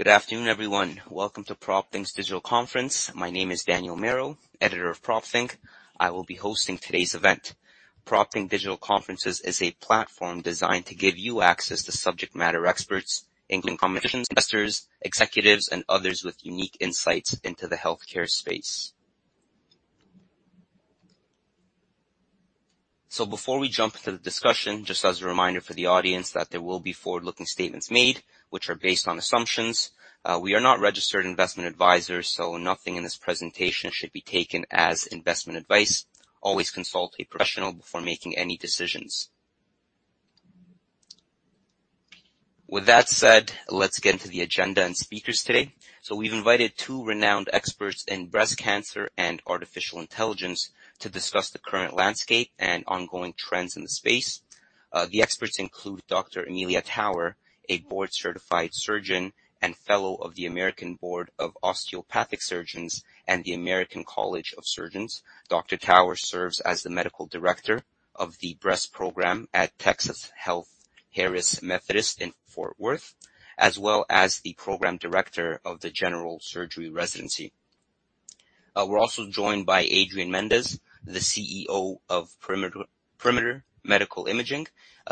Good afternoon, everyone. Welcome to PropThink's Digital Conference. My name is Daniel Mero, editor of PropThink. I will be hosting today's event. PropThink Digital Conferences is a platform designed to give you access to subject matter experts, including investors, executives, and others with unique insights into the healthcare space. So before we jump into the discussion, just as a reminder for the audience, that there will be forward-looking statements made, which are based on assumptions. We are not registered investment advisors, so nothing in this presentation should be taken as investment advice. Always consult a professional before making any decisions. With that said, let's get into the agenda and speakers today. So we've invited two renowned experts in Breast Cancer and artificial intelligence to discuss the current landscape and ongoing trends in the space. The experts include Dr. Amelia Tower, a board-certified surgeon and fellow of the American Board of Osteopathic Surgeons and the American College of Surgeons. Dr. Tower serves as the Medical Director of the Breast Program at Texas Health Harris Methodist in Fort Worth, as well as the program director of the general surgery residency. We're also joined by Adrian Mendes, the CEO of Perimeter, Perimeter Medical Imaging.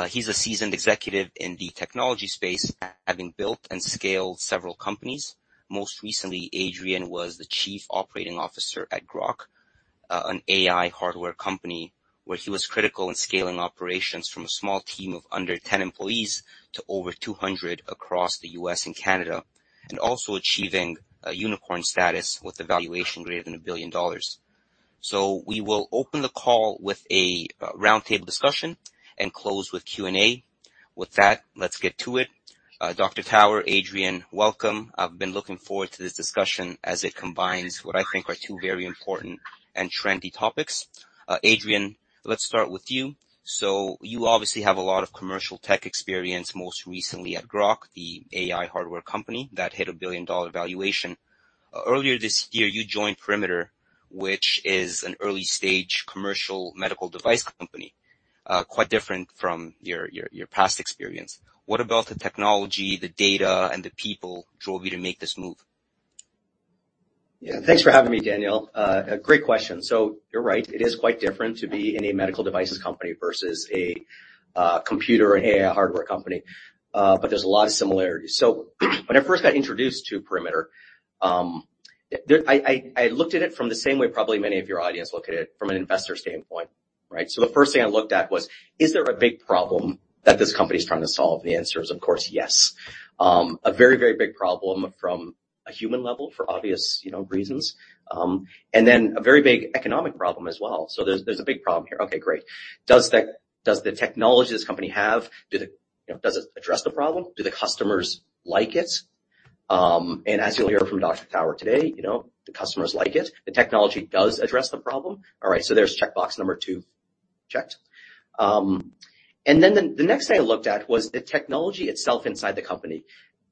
He's a seasoned executive in the technology space, having built and scaled several companies. Most recently, Adrian was the chief operating officer at Grok, an AI hardware company, where he was critical in scaling operations from a small team of under 10 employees to over 200 across the U.S. and Canada, and also achieving a unicorn status with a valuation greater than $1 billion. So we will open the call with a roundtable discussion and close with Q&A. With that, let's get to it. Dr. Tower, Adrian, welcome. I've been looking forward to this discussion as it combines what I think are two very important and trendy topics. Adrian, let's start with you. So you obviously have a lot of commercial tech experience, most recently at Grok, the AI hardware company that hit a billion-dollar valuation. Earlier this year, you joined Perimeter, which is an early-stage commercial medical device company, quite different from your, your, your past experience. What about the technology, the data, and the people drove you to make this move? Yeah. Thanks for having me, Daniel. A great question. So you're right, it is quite different to be in a medical devices company versus a computer and AI hardware company, but there's a lot of similarities. So when I first got introduced to Perimeter, I looked at it from the same way probably many of your audience look at it, from an investor standpoint, right? So the first thing I looked at was, is there a big problem that this company is trying to solve? The answer is, of course, yes. A very, very big problem from a human level for obvious, you know, reasons, and then a very big economic problem as well. So there's a big problem here. Okay, great. Does the technology this company have, you know, does it address the problem? Do the customers like it? And as you'll hear from Dr. Tower today, you know, the customers like it. The technology does address the problem. All right, so there's checkbox number 2, checked. And then the next thing I looked at was the technology itself inside the company.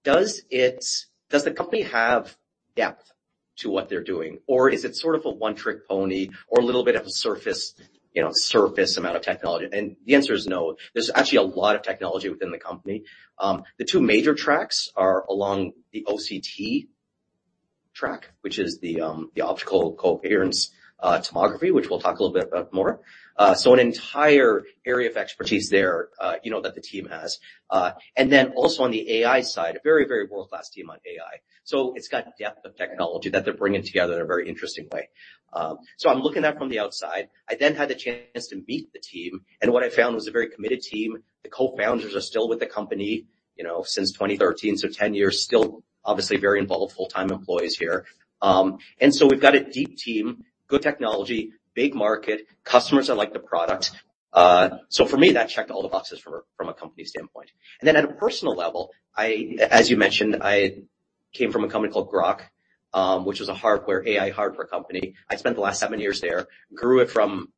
Does the company have depth to what they're doing, or is it sort of a one-trick pony or a little bit of a surface, you know, surface amount of technology? And the answer is no. There's actually a lot of technology within the company. The two major tracks are along the OCT track, which is the optical coherence tomography, which we'll talk a little bit about more. So an entire area of expertise there, you know, that the team has. And then also on the AI side, a very, very world-class team on AI. So it's got depth of technology that they're bringing together in a very interesting way. So I'm looking at from the outside. I then had the chance to meet the team, and what I found was a very committed team. The cofounders are still with the company, you know, since 2013, so 10 years. Still, obviously very involved, full-time employees here. And so we've got a deep team, good technology, big market. Customers are like the product. So for me, that checked all the boxes from a, from a company standpoint. And then at a personal level, I... As you mentioned, I came from a company called Grok, which is a hardware, AI hardware company. I spent the last seven years there, grew it from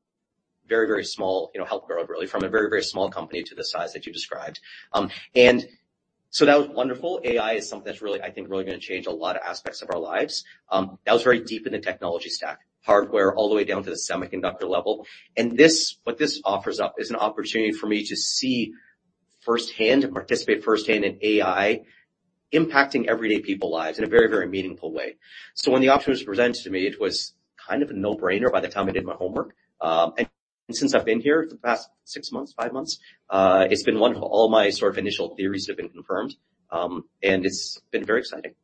very, very small, you know, helped grow it, really, from a very, very small company to the size that you described. And so that was wonderful. AI is something that's really, I think, really gonna change a lot of aspects of our lives. That was very deep in the technology stack, hardware, all the way down to the semiconductor level. And this, what this offers up is an opportunity for me to see firsthand and participate firsthand in AI, impacting everyday people lives in a very, very meaningful way. So when the opportunity was presented to me, it was kind of a no-brainer by the time I did my homework. And since I've been here for the past six months, five months, it's been wonderful. All my sort of initial theories have been confirmed, and it's been very exciting.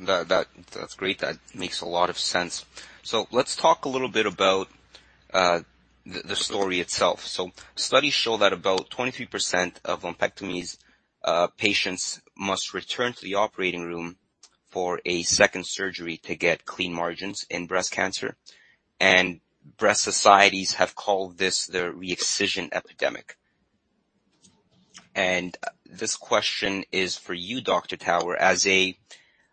That's great. That makes a lot of sense. So let's talk a little bit about the story itself. So studies show that about 23% of lumpectomies patients must return to the operating room for a second surgery to get clean margins in breast cancer, and breast societies have called this the re-excision epidemic. And this question is for you, Dr. Tower.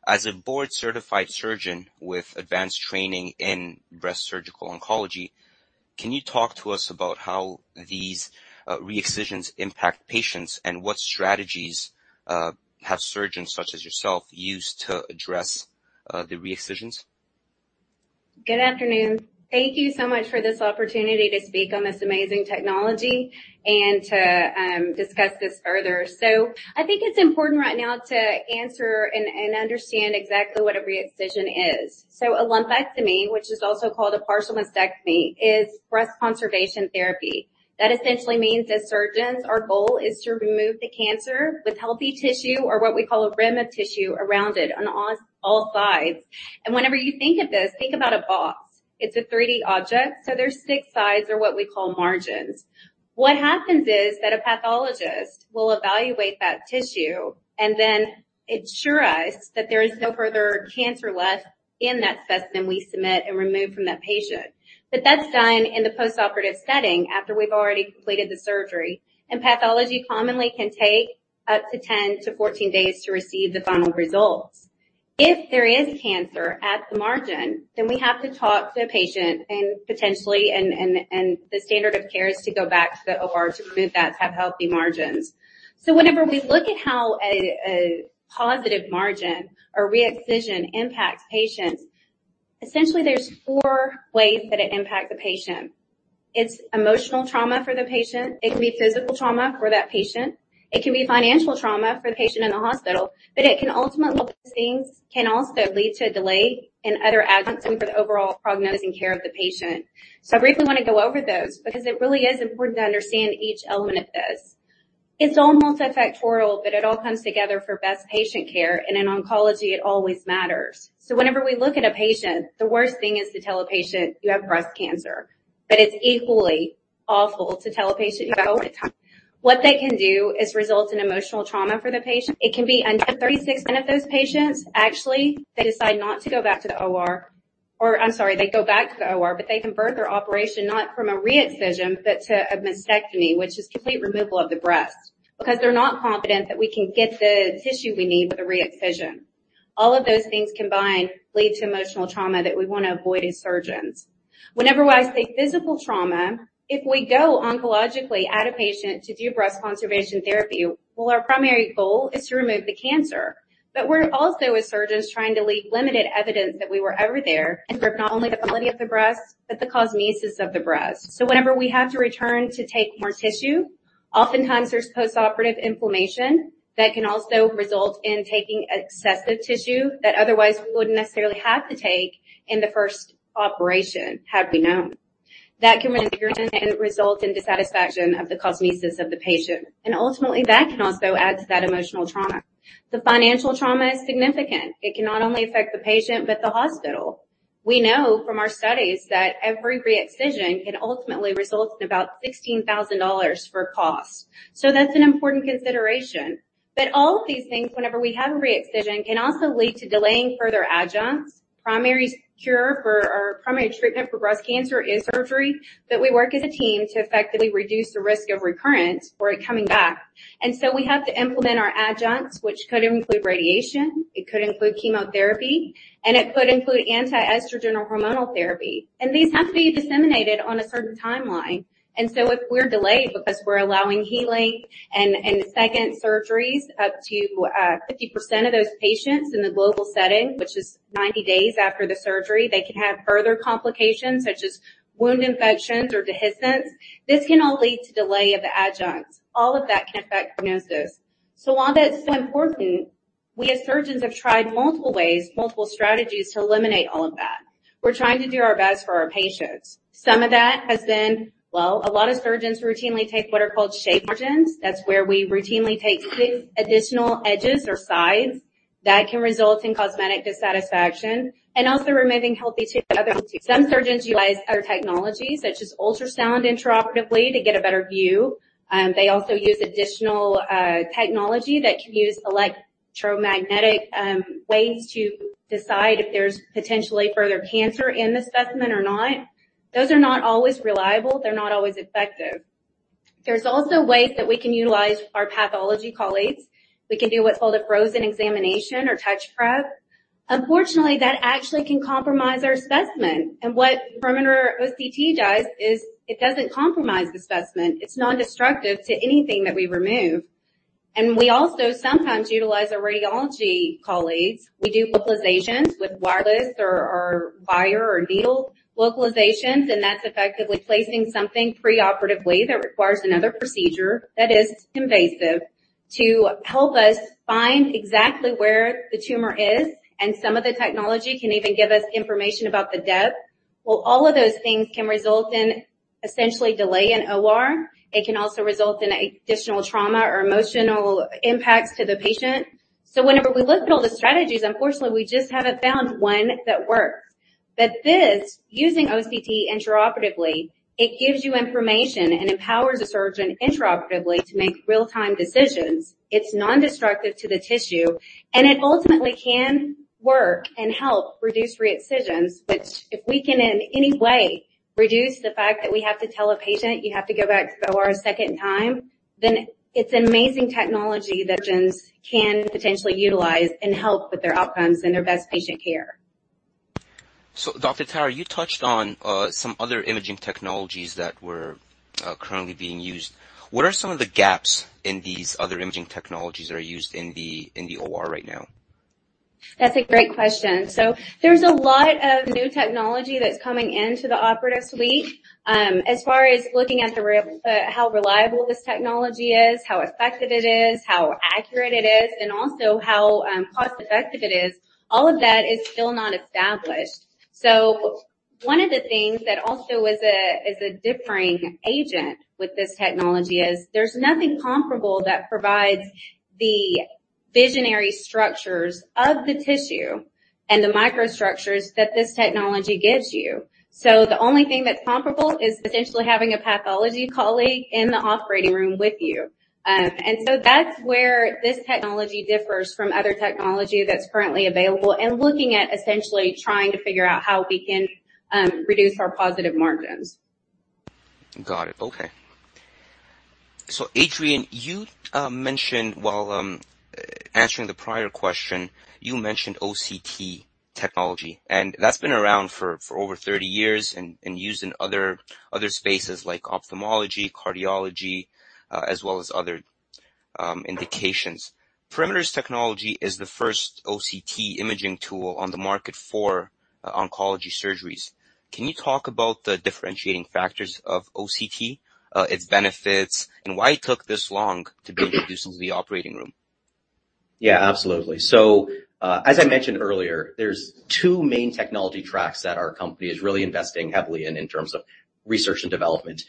As a board certified surgeon with advanced training in breast surgical oncology, can you talk to us about how these re-excisions impact patients, and what strategies have surgeons such as yourself used to address the re-excisions? Good afternoon. Thank you so much for this opportunity to speak on this amazing technology and to discuss this further. So I think it's important right now to answer and understand exactly what a re-excision is. So a lumpectomy, which is also called a partial mastectomy, is breast conservation therapy. That essentially means, as surgeons, our goal is to remove the cancer with healthy tissue or what we call a rim of tissue around it on all sides. And whenever you think of this, think about a box. It's a 3D object, so there's six sides or what we call margins. What happens is that a pathologist will evaluate that tissue and then ensure us that there is no further cancer left in that specimen we submit and remove from that patient. But that's done in the post-operative setting after we've already completed the surgery, and pathology commonly can take up to 10-14 days to receive the final results. If there is cancer at the margin, then we have to talk to the patient and potentially, and the standard of care is to go back to the OR to remove that, to have healthy margins. So whenever we look at how a positive margin or re-excision impacts patients, essentially there's four ways that it impacts the patient. It's emotional trauma for the patient, it can be physical trauma for that patient, it can be financial trauma for the patient in the hospital, but it can ultimately, things can also lead to a delay in other adjuncts and for the overall prognosis and care of the patient. So I briefly want to go over those because it really is important to understand each element of this. It's all multifactorial, but it all comes together for best patient care, and in oncology, it always matters. So whenever we look at a patient, the worst thing is to tell a patient, "You have breast cancer." But it's equally awful to tell a patient, "You have..." What they can do is result in emotional trauma for the patient. It can be under 36% of those patients, actually, they decide not to go back to the OR, or I'm sorry, they go back to the OR, but they convert their operation, not from a re-excision, but to a mastectomy, which is complete removal of the breast, because they're not confident that we can get the tissue we need with a re-excision. All of those things combined lead to emotional trauma that we want to avoid as surgeons. Whenever I say physical trauma, if we go oncologically at a patient to do Breast conservation therapy, well, our primary goal is to remove the cancer. But we're also, as surgeons, trying to leave limited evidence that we were ever there, and for not only the quality of the breast but the cosmesis of the breast. So whenever we have to return to take more tissue, oftentimes there's post-operative inflammation that can also result in taking excessive tissue that otherwise we wouldn't necessarily have to take in the first operation had we known. That can result in dissatisfaction of the cosmesis of the patient, and ultimately that can also add to that emotional trauma. The financial trauma is significant. It can not only affect the patient, but the hospital. We know from our studies that every re-excision can ultimately result in about $16,000 for cost. So that's an important consideration. But all of these things, whenever we have a re-excision, can also lead to delaying further adjuncts. Primary cure for or primary treatment for breast cancer is surgery, but we work as a team to effectively reduce the risk of recurrence or it coming back. And so we have to implement our adjuncts, which could include radiation, it could include chemotherapy, and it could include anti-estrogen or hormonal therapy, and these have to be disseminated on a certain timeline. And so if we're delayed because we're allowing healing and second surgeries, up to 50% of those patients in the global setting, which is 90 days after the surgery, they can have further complications, such as wound infections or dehiscence. This can all lead to delay of the adjuncts. All of that can affect prognosis. So while that's so important, we as surgeons have tried multiple ways, multiple strategies to eliminate all of that. We're trying to do our best for our patients. Some of that has been, well, a lot of surgeons routinely take what are called shave margins. That's where we routinely take 6 additional edges or sides that can result in cosmetic dissatisfaction and also removing healthy tissue. Some surgeons utilize other technologies, such as ultrasound intraoperatively to get a better view. They also use additional technology that can use electromagnetic ways to decide if there's potentially further cancer in the specimen or not. Those are not always reliable. They're not always effective. There's also ways that we can utilize our pathology colleagues. We can do what's called a frozen section or touch prep. Unfortunately, that actually can compromise our specimen. What Perimeter OCT does is it doesn't compromise the specimen. It's non-destructive to anything that we remove. We also sometimes utilize our radiology colleagues. We do localizations with wireless or wire or needle localizations, and that's effectively placing something pre-operatively that requires another procedure that is invasive to help us find exactly where the tumor is, and some of the technology can even give us information about the depth. Well, all of those things can result in essentially delay in O.R. It can also result in additional trauma or emotional impacts to the patient. Whenever we look at all the strategies, unfortunately, we just haven't found one that works. This, using OCT intraoperatively, it gives you information and empowers a surgeon intraoperatively to make real-time decisions. It's non-destructive to the tissue, and it ultimately can work and help reduce re-excision, which if we can in any way reduce the fact that we have to tell a patient, "You have to go back to the OR a second time," then it's an amazing technology that surgeons can potentially utilize and help with their outcomes and their best patient care. So, Dr. Tower, you touched on some other imaging technologies that were currently being used. What are some of the gaps in these other imaging technologies that are used in the OR right now? That's a great question. So there's a lot of new technology that's coming into the operative suite. As far as looking at how reliable this technology is, how effective it is, how accurate it is, and also how cost-effective it is, all of that is still not established. So one of the things that also is a differing agent with this technology is there's nothing comparable that provides the visionary structures of the tissue and the microstructures that this technology gives you. So the only thing that's comparable is potentially having a pathology colleague in the operating room with you. And so that's where this technology differs from other technology that's currently available, and looking at essentially trying to figure out how we can reduce our positive margins. Got it. Okay. So, Adrian, you mentioned while answering the prior question, you mentioned OCT technology, and that's been around for over 30 years and used in other spaces like ophthalmology, cardiology, as well as other indications. Perimeter's technology is the first OCT imaging tool on the market for oncology surgeries. Can you talk about the differentiating factors of OCT, its benefits, and why it took this long to be introduced into the operating room? Yeah, absolutely. So, as I mentioned earlier, there's two main technology tracks that our company is really investing heavily in, in terms of research and development.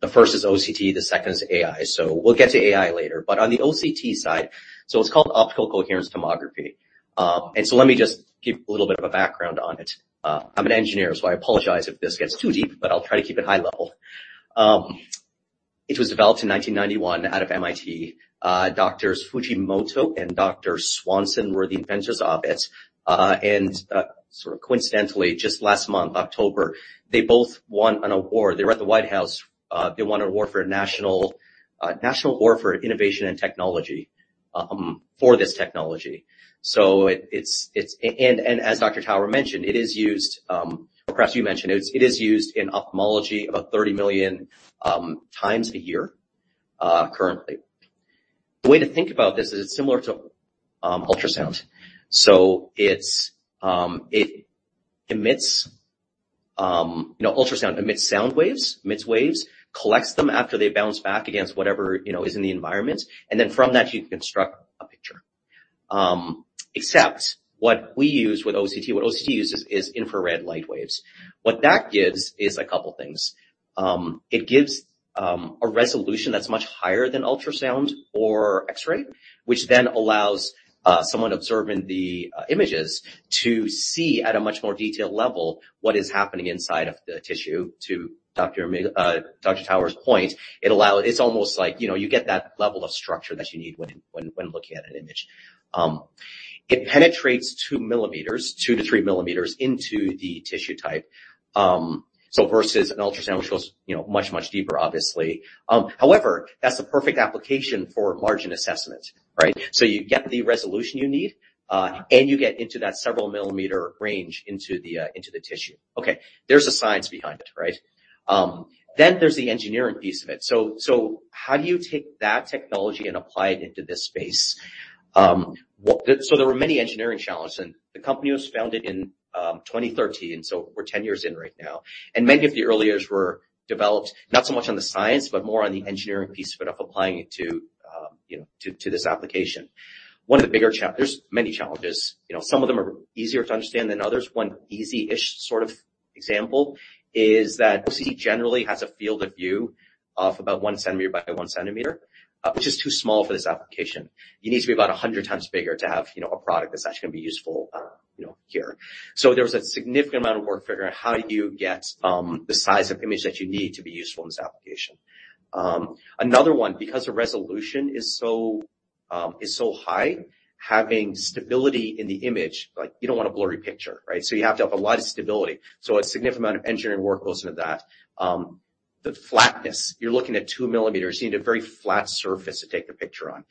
The first is OCT, the second is AI. So we'll get to AI later. But on the OCT side, so it's called optical coherence tomography. And so let me just give a little bit of a background on it. I'm an engineer, so I apologize if this gets too deep, but I'll try to keep it high level. It was developed in 1991 out of MIT. Doctors Fujimoto and Dr. Swanson were the inventors of it. And, sort of coincidentally, just last month, October, they both won an award. They were at the White House. They won an award for a national award for innovation and technology, for this technology. As Dr. Tower mentioned, it is used, or perhaps you mentioned, it is used in ophthalmology about 30 million times a year currently. The way to think about this is it's similar to ultrasound. So it emits. You know, ultrasound emits sound waves, emits waves, collects them after they bounce back against whatever, you know, is in the environment, and then from that, you construct a picture. Except what we use with OCT, what OCT uses is infrared light waves. What that gives is a couple of things. It gives a resolution that's much higher than ultrasound or X-ray, which then allows someone observing the images to see at a much more detailed level what is happening inside of the tissue. To Dr. Mi-- Dr. Tower's point, it's almost like, you know, you get that level of structure that you need when, when, when looking at an image. It penetrates 2 millimeters, 2-3 millimeters into the tissue type. So versus an ultrasound, which goes, you know, much, much deeper, obviously. However, that's the perfect application for margin assessment, right? So you get the resolution you need, and you get into that several millimeter range into the, into the tissue. Okay, there's a science behind it, right? Then there's the engineering piece of it. So, so how do you take that technology and apply it into this space? What... There were many engineering challenges, and the company was founded in 2013, so we're 10 years in right now, and many of the early years were developed, not so much on the science, but more on the engineering piece of it, of applying it to, you know, to this application. There's many challenges, you know, some of them are easier to understand than others. One easy-ish sort of example is that OCT generally has a field of view of about 1 cm by 1 cm, which is too small for this application. You need to be about 100 times bigger to have, you know, a product that's actually gonna be useful, you know, here. So there was a significant amount of work figuring out how do you get the size of image that you need to be useful in this application. Another one, because the resolution is so high, having stability in the image, like, you don't want a blurry picture, right? So you have to have a lot of stability. So a significant amount of engineering work goes into that. The flatness, you're looking at 2 millimeters. You need a very flat surface to take the picture on.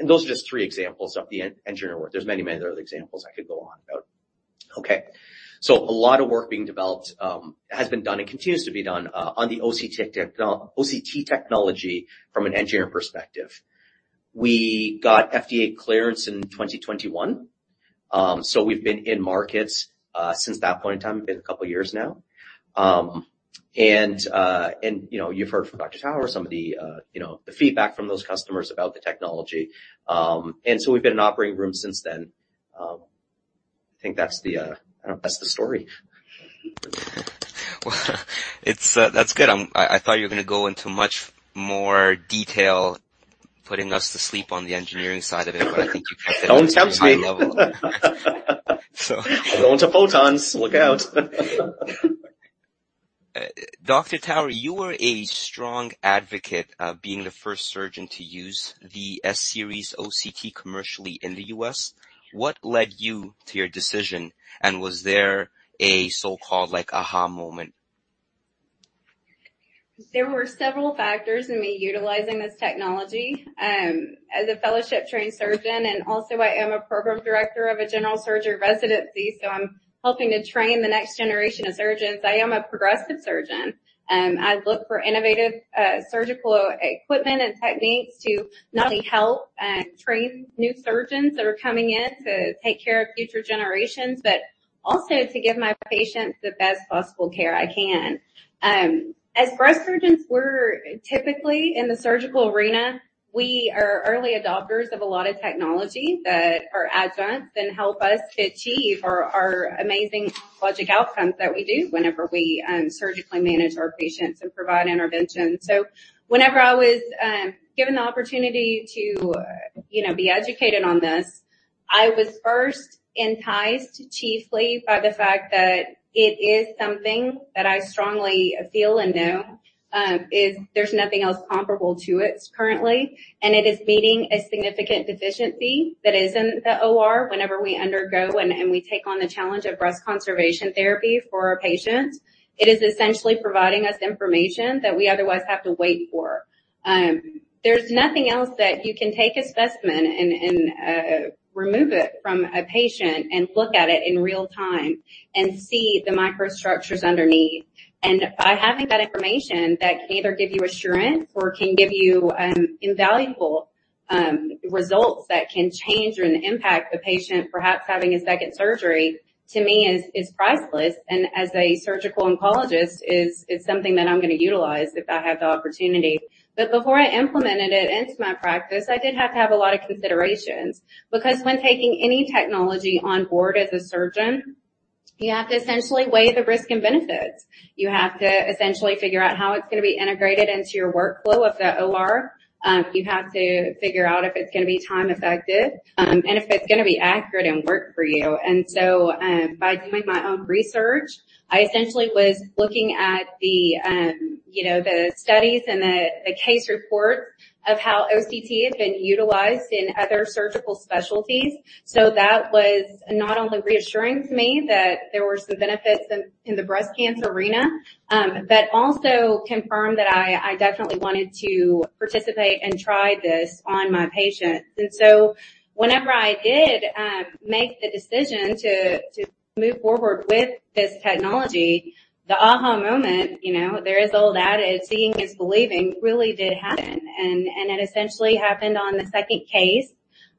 And those are just three examples of the engineering work. There's many, many other examples I could go on about. Okay, so a lot of work being developed has been done and continues to be done on the OCT technology from an engineering perspective. We got FDA clearance in 2021. So we've been in markets since that point in time, been a couple of years now. You know, you've heard from Dr. Tower, some of the, you know, the feedback from those customers about the technology. So we've been in operating room since then. I think that's the, I know that's the story. Well, it's, that's good. I thought you were gonna go into much more detail, putting us to sleep on the engineering side of it, but I think you kept it- Don't tempt me! High level. So- I'm going to photons. Look out. Dr. Tower, you were a strong advocate of being the first surgeon to use the S-Series OCT commercially in the U.S. What led you to your decision, and was there a so-called like aha moment? There were several factors in me utilizing this technology. As a fellowship-trained surgeon, and also I am a program director of a general surgery residency, so I'm helping to train the next generation of surgeons. I am a progressive surgeon. I look for innovative surgical equipment and techniques to not only help and train new surgeons that are coming in to take care of future generations, but also to give my patients the best possible care I can. As breast surgeons, we're typically in the surgical arena. We are early adopters of a lot of technology that are advanced and help us to achieve our amazing oncologic outcomes that we do whenever we surgically manage our patients and provide intervention. So whenever I was given the opportunity to, you know, be educated on this, I was first enticed chiefly by the fact that it is something that I strongly feel and know is there's nothing else comparable to it currently, and it is meeting a significant deficiency that is in the OR whenever we undergo and we take on the challenge of breast conservation therapy for our patients. It is essentially providing us information that we otherwise have to wait for. There's nothing else that you can take a specimen and remove it from a patient and look at it in real-time and see the microstructures underneath. By having that information that can either give you assurance or can give you, invaluable, results that can change or impact a patient, perhaps having a second surgery, to me, is, is priceless, and as a surgical oncologist, is, is something that I'm gonna utilize if I have the opportunity. But before I implemented it into my practice, I did have to have a lot of considerations, because when taking any technology on board as a surgeon, you have to essentially weigh the risk and benefits. You have to essentially figure out how it's gonna be integrated into your workflow of the OR. You have to figure out if it's gonna be time-effective, and if it's gonna be accurate and work for you. By doing my own research, I essentially was looking at the, you know, the studies and the case reports of how OCT has been utilized in other surgical specialties. So that was not only reassuring to me that there were some benefits in the breast cancer arena, but also confirmed that I definitely wanted to participate and try this on my patients. Whenever I did make the decision to move forward with this technology, the aha moment, you know, there is old adage, seeing is believing, really did happen, and it essentially happened on the second case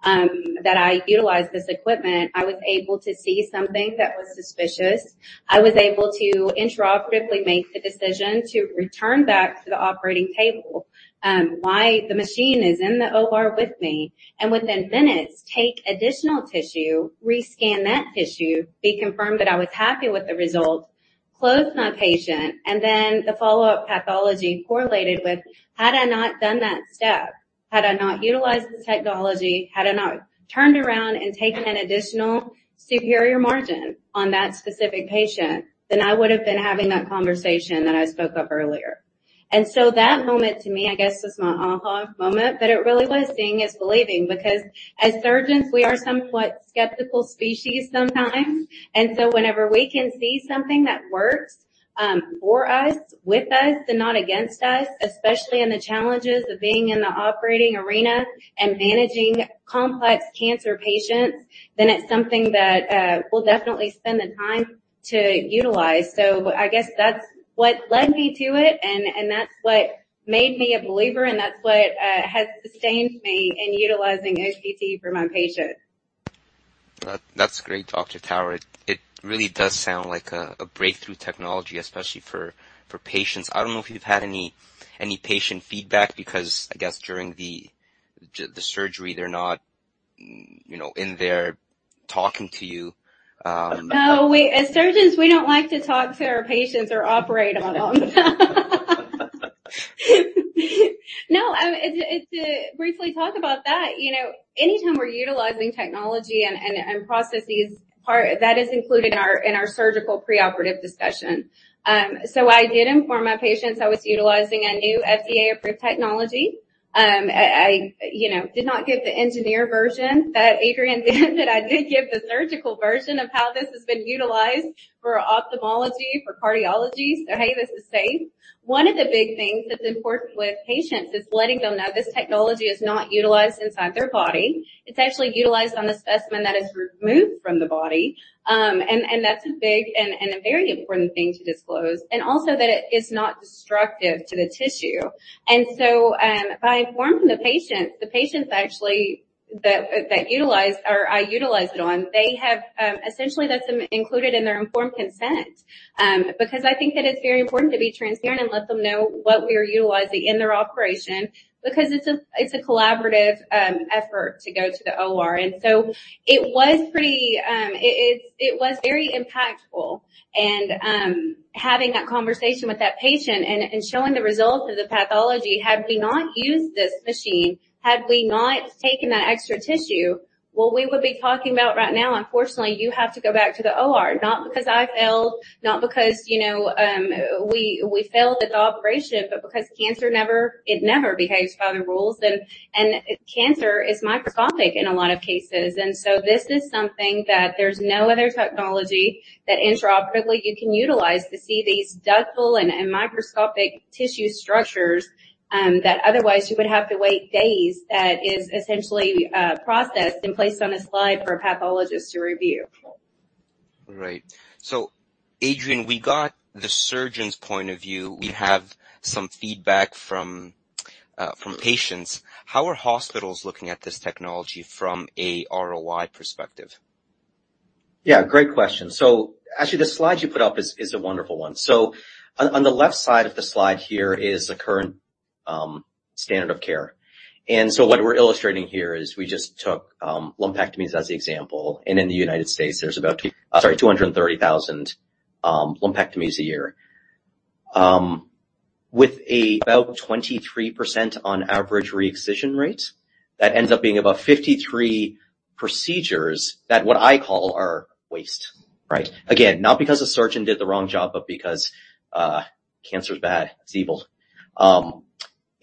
that I utilized this equipment. I was able to see something that was suspicious. I was able to intraoperatively make the decision to return back to the operating table, while the machine is in the OR with me, and within minutes, take additional tissue, rescan that tissue, be confirmed that I was happy with the results, close my patient, and then the follow-up pathology correlated with, had I not done that step, had I not utilized this technology, had I not turned around and taken an additional superior margin on that specific patient, then I would have been having that conversation that I spoke of earlier. And so that moment to me, I guess, was my aha moment, but it really was seeing is believing, because as surgeons, we are somewhat skeptical species sometimes. Whenever we can see something that works for us, with us, and not against us, especially in the challenges of being in the operating arena and managing complex cancer patients, then it's something that we'll definitely spend the time to utilize. I guess that's what led me to it, and that's what made me a believer, and that's what has sustained me in utilizing OCT for my patients. That's great, Dr. Tower. It really does sound like a breakthrough technology, especially for patients. I don't know if you've had any patient feedback because I guess during the surgery, they're not, you know, in there talking to you. No, we... As surgeons, we don't like to talk to our patients or operate on them. No, it's to briefly talk about that, you know, anytime we're utilizing technology and processes, that is included in our surgical preoperative discussion. So, I did inform my patients I was utilizing a new FDA-approved technology. I, you know, did not give the engineer version that Adrian did, but I did give the surgical version of how this has been utilized for ophthalmology, for cardiology. So, hey, this is safe. One of the big things that's important with patients is letting them know this technology is not utilized inside their body. It's actually utilized on the specimen that is removed from the body. And that's a big and a very important thing to disclose, and also that it is not destructive to the tissue. And so, by informing the patients, the patients actually that utilized or I utilized it on, they have essentially that's included in their informed consent. Because I think that it's very important to be transparent and let them know what we are utilizing in their operation, because it's a collaborative effort to go to the OR. And so it was pretty... It was very impactful and having that conversation with that patient and showing the results of the pathology. Had we not used this machine, had we not taken that extra tissue, what we would be talking about right now, unfortunately, you have to go back to the OR, not because I failed, not because, you know, we failed at the operation, but because cancer never—it never behaves by the rules, and cancer is microscopic in a lot of cases. And so this is something that there's no other technology that intraoperatively you can utilize to see these ductal and microscopic tissue structures, that otherwise you would have to wait days, that is essentially processed and placed on a slide for a pathologist to review. Right. So, Adrian, we got the surgeon's point of view. We have some feedback from patients, how are hospitals looking at this technology from a ROI perspective? Yeah, great question. So actually, the slide you put up is a wonderful one. So on the left side of the slide here is the current standard of care. And so what we're illustrating here is we just took lumpectomies as the example, and in the United States, there's about 230,000 lumpectomies a year. With about 23% on average re-excision rate, that ends up being about 53 procedures that what I call are waste, right? Again, not because a surgeon did the wrong job, but because cancer is bad, it's evil.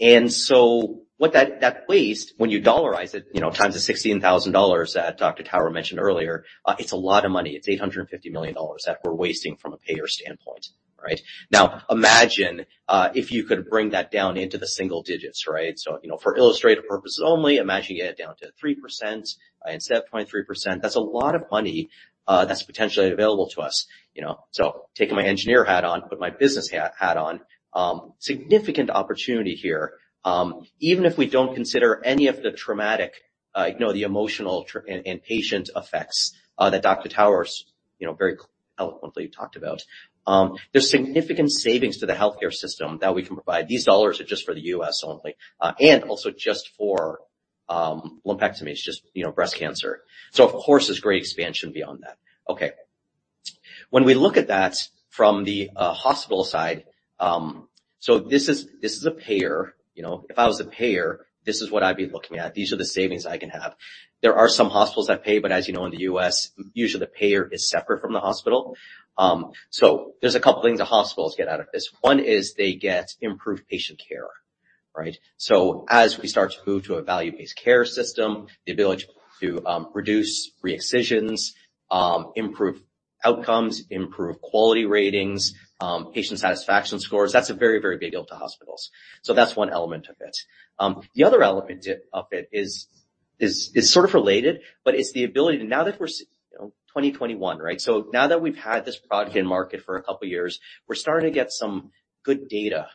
And so what that waste, when you dollarize it, you know, times the $16,000 that Dr. Tower mentioned earlier, it's a lot of money. It's $850 million that we're wasting from a payer standpoint, right? Now, imagine, if you could bring that down into the single digits, right? So, you know, for illustrative purposes only, imagine you get it down to 3%, instead of 0.3%. That's a lot of money, that's potentially available to us, you know. So taking my engineer hat on, put my business hat on, significant opportunity here. Even if we don't consider any of the traumatic, you know, the emotional tr-- and, and patient effects, that Dr. Towers, you know, very eloquently talked about. There's significant savings to the healthcare system that we can provide. These dollars are just for the U.S. only, and also just for, lumpectomies, just, you know, breast cancer. So of course, there's great expansion beyond that. Okay. When we look at that from the hospital side, so this is a payer, you know, if I was a payer, this is what I'd be looking at. These are the savings I can have. There are some hospitals that pay, but as you know, in the U.S., usually the payer is separate from the hospital. So there's a couple of things the hospitals get out of this. One is they get improved patient care, right? So as we start to move to a value-based care system, the ability to reduce re-excisions, improve outcomes, improve quality ratings, patient satisfaction scores, that's a very, very big deal to hospitals. So that's one element of it. The other element of it is sort of related, but it's the ability to... Now that we're, you know, 2021, right? So now that we've had this product in market for a couple of years, we're starting to get some good data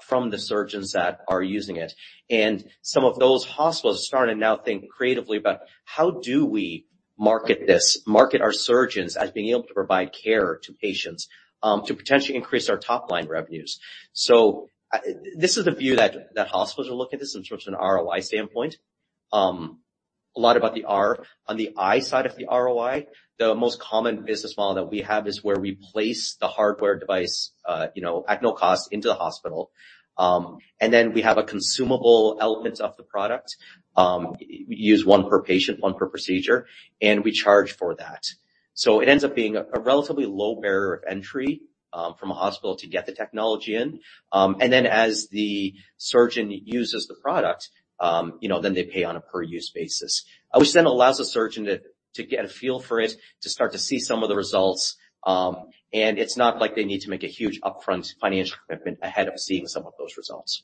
from the surgeons that are using it. And some of those hospitals are starting to now think creatively about how do we market this, market our surgeons as being able to provide care to patients to potentially increase our top-line revenues. So this is the view that hospitals are looking this in terms of an ROI standpoint. A lot about the R. On the I side of the ROI, the most common business model that we have is where we place the hardware device, you know, at no cost into the hospital. And then we have a consumable element of the product, we use one per patient, one per procedure, and we charge for that. So it ends up being a relatively low barrier of entry from a hospital to get the technology in. And then as the surgeon uses the product, you know, then they pay on a per-use basis, which then allows the surgeon to get a feel for it, to start to see some of the results. And it's not like they need to make a huge upfront financial commitment ahead of seeing some of those results.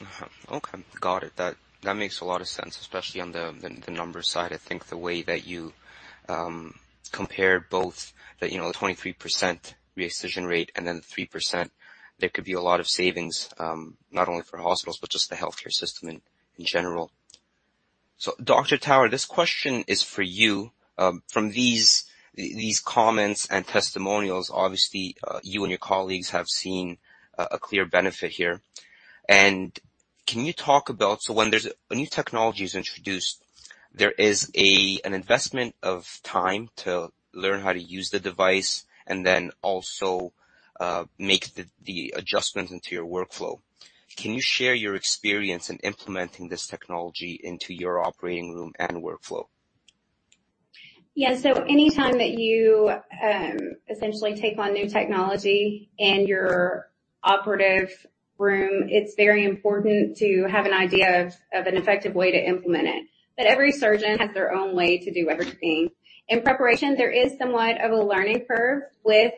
Uh-huh. Okay, got it. That makes a lot of sense, especially on the numbers side. I think the way that you compare both the, you know, the 23% re-excision rate and then the 3%, there could be a lot of savings, not only for hospitals, but just the healthcare system in general. So, Dr. Tower, this question is for you. From these comments and testimonials, obviously, you and your colleagues have seen a clear benefit here. And can you talk about. So when there's a new technology is introduced, there is an investment of time to learn how to use the device and then also make the adjustments into your workflow. Can you share your experience in implementing this technology into your operating room and workflow? Yeah, so anytime that you essentially take on new technology in your operative room, it's very important to have an idea of an effective way to implement it. But every surgeon has their own way to do everything. In preparation, there is somewhat of a learning curve with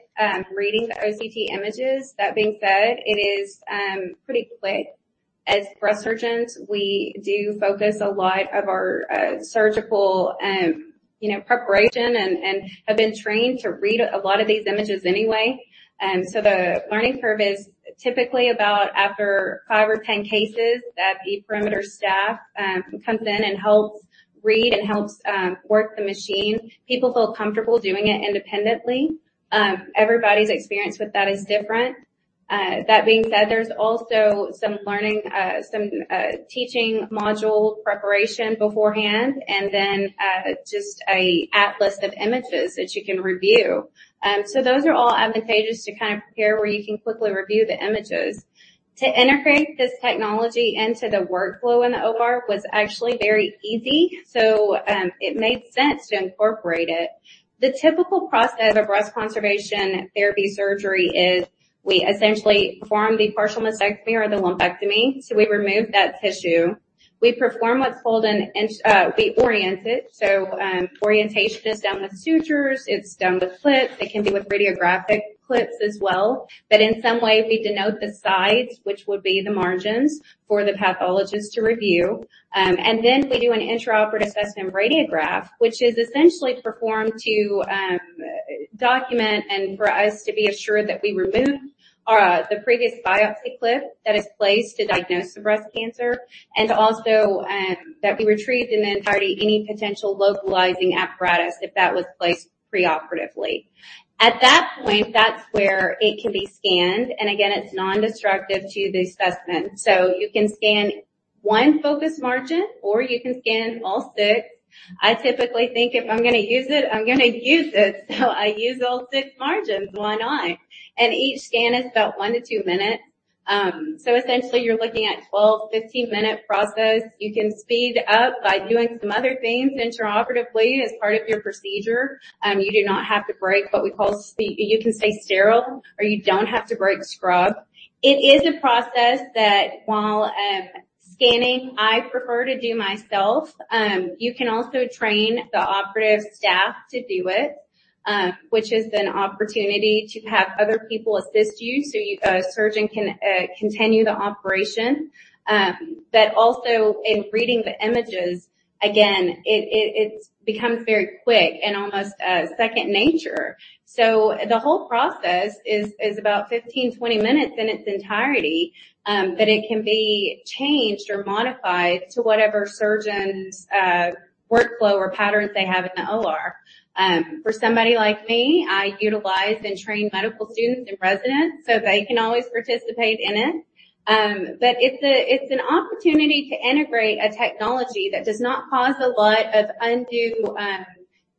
reading the OCT images. That being said, it is pretty quick. As breast surgeons, we do focus a lot of our surgical you know preparation and have been trained to read a lot of these images anyway. So the learning curve is typically about after 5 or 10 cases, that Perimeter staff comes in and helps read and helps work the machine. People feel comfortable doing it independently. Everybody's experience with that is different. That being said, there's also some learning, some teaching module preparation beforehand, and then just an atlas of images that you can review. So those are all advantageous to kind of prepare where you can quickly review the images. To integrate this technology into the workflow in the OR was actually very easy, so it made sense to incorporate it. The typical process of a breast conservation therapy surgery is we essentially perform the partial mastectomy or the lumpectomy, so we remove that tissue. We perform what's called an in-- we orient it. So orientation is done with sutures, it's done with clips, it can be with radiographic clips as well. But in some way, we denote the sides, which would be the margins for the pathologist to review. And then we do an intraoperative assessment radiograph, which is essentially performed to document and for us to be assured that we removed the previous biopsy clip that is placed to diagnose the breast cancer, and also that we retrieved in entirety any potential localizing apparatus if that was placed preoperatively. At that point, that's where it can be scanned, and again, it's nondestructive to the specimen. So you can scan 1 focus margin, or you can scan all 6. I typically think if I'm gonna use it, I'm gonna use it, so I use all 6 margins, why not? And each scan is about 1-2 minutes. So essentially, you're looking at 12-15-minute process. You can speed up by doing some other things intraoperatively as part of your procedure. You do not have to break what we call sterile. You can stay sterile, or you don't have to break scrub. It is a process that while scanning, I prefer to do myself. You can also train the operative staff to do it, which is an opportunity to have other people assist you, so you, the surgeon, can continue the operation. But also in reading the images, again, it becomes very quick and almost second nature. So the whole process is about 15-20 minutes in its entirety, but it can be changed or modified to whatever surgeon's workflow or patterns they have in the OR. For somebody like me, I utilize and train medical students and residents, so they can always participate in it. But it's an opportunity to integrate a technology that does not cause a lot of undue,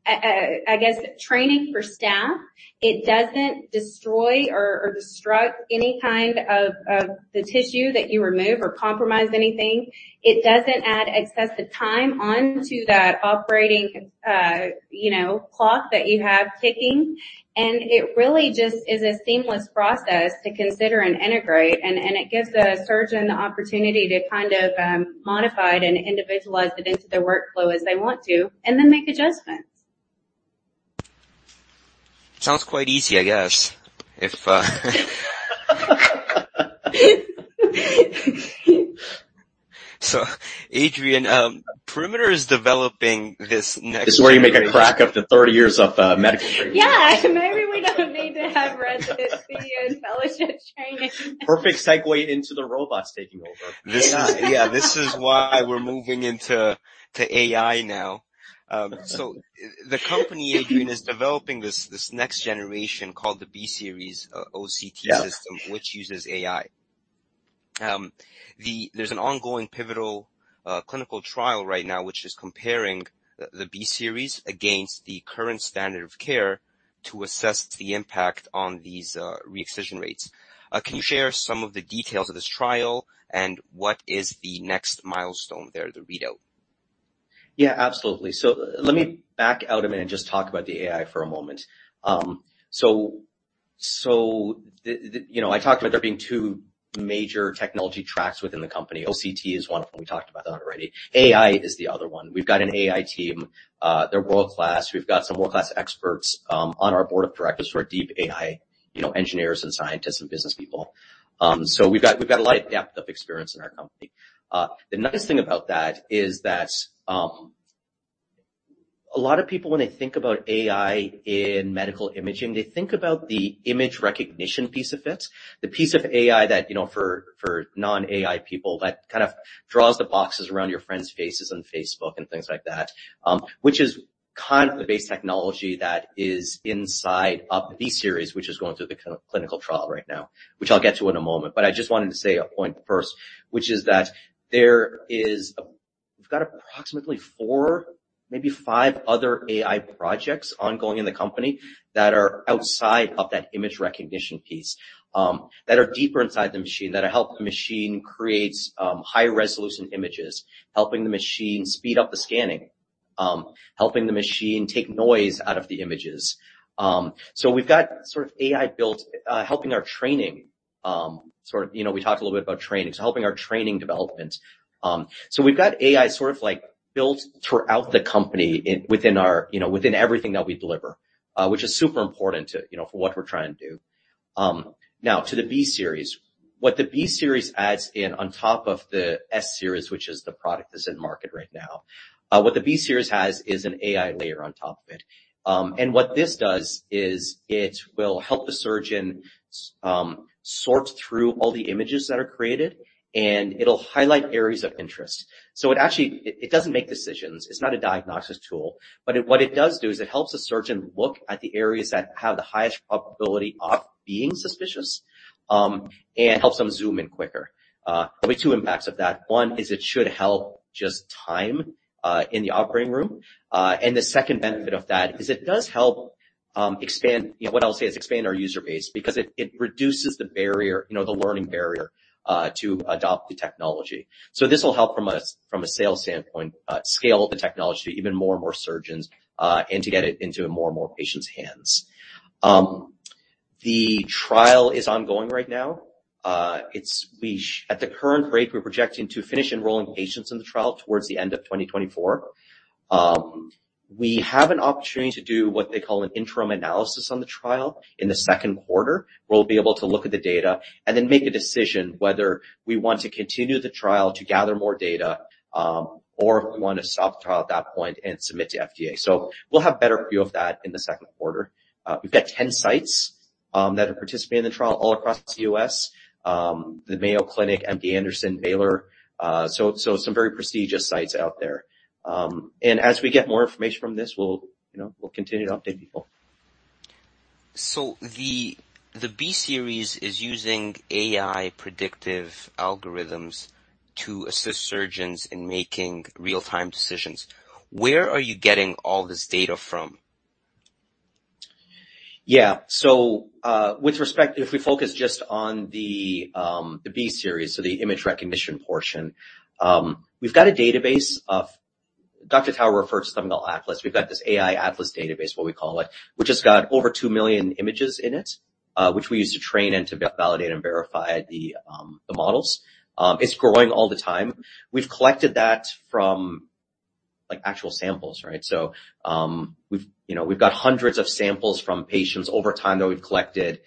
I guess, training for staff. It doesn't destroy or destruct any kind of, of the tissue that you remove or compromise anything. It doesn't add excessive time onto that operating, you know, clock that you have ticking, and it really just is a seamless process to consider and integrate, and it gives the surgeon the opportunity to kind of modify it and individualize it into their workflow as they want to, and then make adjustments. Sounds quite easy, I guess. So, Adrian, Perimeter is developing this next- This is where you make a crack up to 30 years of medical training. Yeah, maybe we don't need to have resident three-year fellowship training. Perfect segue into the robots taking over. This, yeah, this is why we're moving into AI now. So the company, Adrian, is developing this next generation called the B-Series OCT system- Yeah Which uses AI. There's an ongoing pivotal clinical trial right now, which is comparing the B-Series against the current standard of care to assess the impact on these re-excision rates. Can you share some of the details of this trial, and what is the next milestone there, the readout? Yeah, absolutely. So let me back out a minute and just talk about the AI for a moment. You know, I talked about there being two major technology tracks within the company. OCT is one of them. We talked about that already. AI is the other one. We've got an AI team. They're world-class. We've got some world-class experts on our board of directors who are deep AI, you know, engineers and scientists and business people. We've got a lot of depth of experience in our company. The nice thing about that is that a lot of people when they think about AI in medical imaging, they think about the image recognition piece of it, the piece of AI that, you know, for non-AI people, that kind of draws the boxes around your friend's faces on Facebook and things like that. Which is kind of the base technology that is inside of the B-series, which is going through the clinical trial right now, which I'll get to in a moment. But I just wanted to say a point first, which is that there is a, we've got approximately 4, maybe 5 other AI projects ongoing in the company that are outside of that image recognition piece, that are deeper inside the machine, that help the machine creates high-resolution images, helping the machine speed up the scanning, helping the machine take noise out of the images. So we've got sort of AI built, helping our training, sort of... You know, we talked a little bit about training, so helping our training development. So we've got AI sort of, like, built throughout the company in, within our, you know, within everything that we deliver, which is super important to, you know, for what we're trying to do. Now to the B-series. What the B-Series adds in on top of the S-Series, which is the product that's in market right now. What the B-Series has is an AI layer on top of it. And what this does is it will help the surgeon sort through all the images that are created, and it'll highlight areas of interest. So it actually doesn't make decisions. It's not a diagnosis tool, but what it does do is it helps the surgeon look at the areas that have the highest probability of being suspicious, and helps them zoom in quicker. Only two impacts of that. One, is it should help just time in the operating room. And the second benefit of that is it does help expand, you know, what I'll say is expand our user base because it reduces the barrier, you know, the learning barrier to adopt the technology. So this will help from a sales standpoint scale the technology to even more and more surgeons and to get it into more and more patients' hands. The trial is ongoing right now. It's at the current rate, we're projecting to finish enrolling patients in the trial towards the end of 2024. We have an opportunity to do what they call an interim analysis on the trial in the second quarter. We'll be able to look at the data and then make a decision whether we want to continue the trial to gather more data, or if we want to stop the trial at that point and submit to FDA. So we'll have a better view of that in the second quarter. We've got 10 sites that are participating in the trial all across the U.S., the Mayo Clinic, MD Anderson, Baylor, so some very prestigious sites out there. And as we get more information from this, we'll, you know, we'll continue to update people. So the B-Series is using AI predictive algorithms to assist surgeons in making real-time decisions. Where are you getting all this data from? Yeah. So, with respect, if we focus just on the, the B-Series, so the image recognition portion, we've got a database of... Dr. Tower refers to them as Atlas. We've got this AI Atlas database, what we call it, which has got over 2 million images in it, which we use to train and to validate, and verify the, the models. It's growing all the time. We've collected that from, like, actual samples, right? So, we've, you know, we've got hundreds of samples from patients over time that we've collected.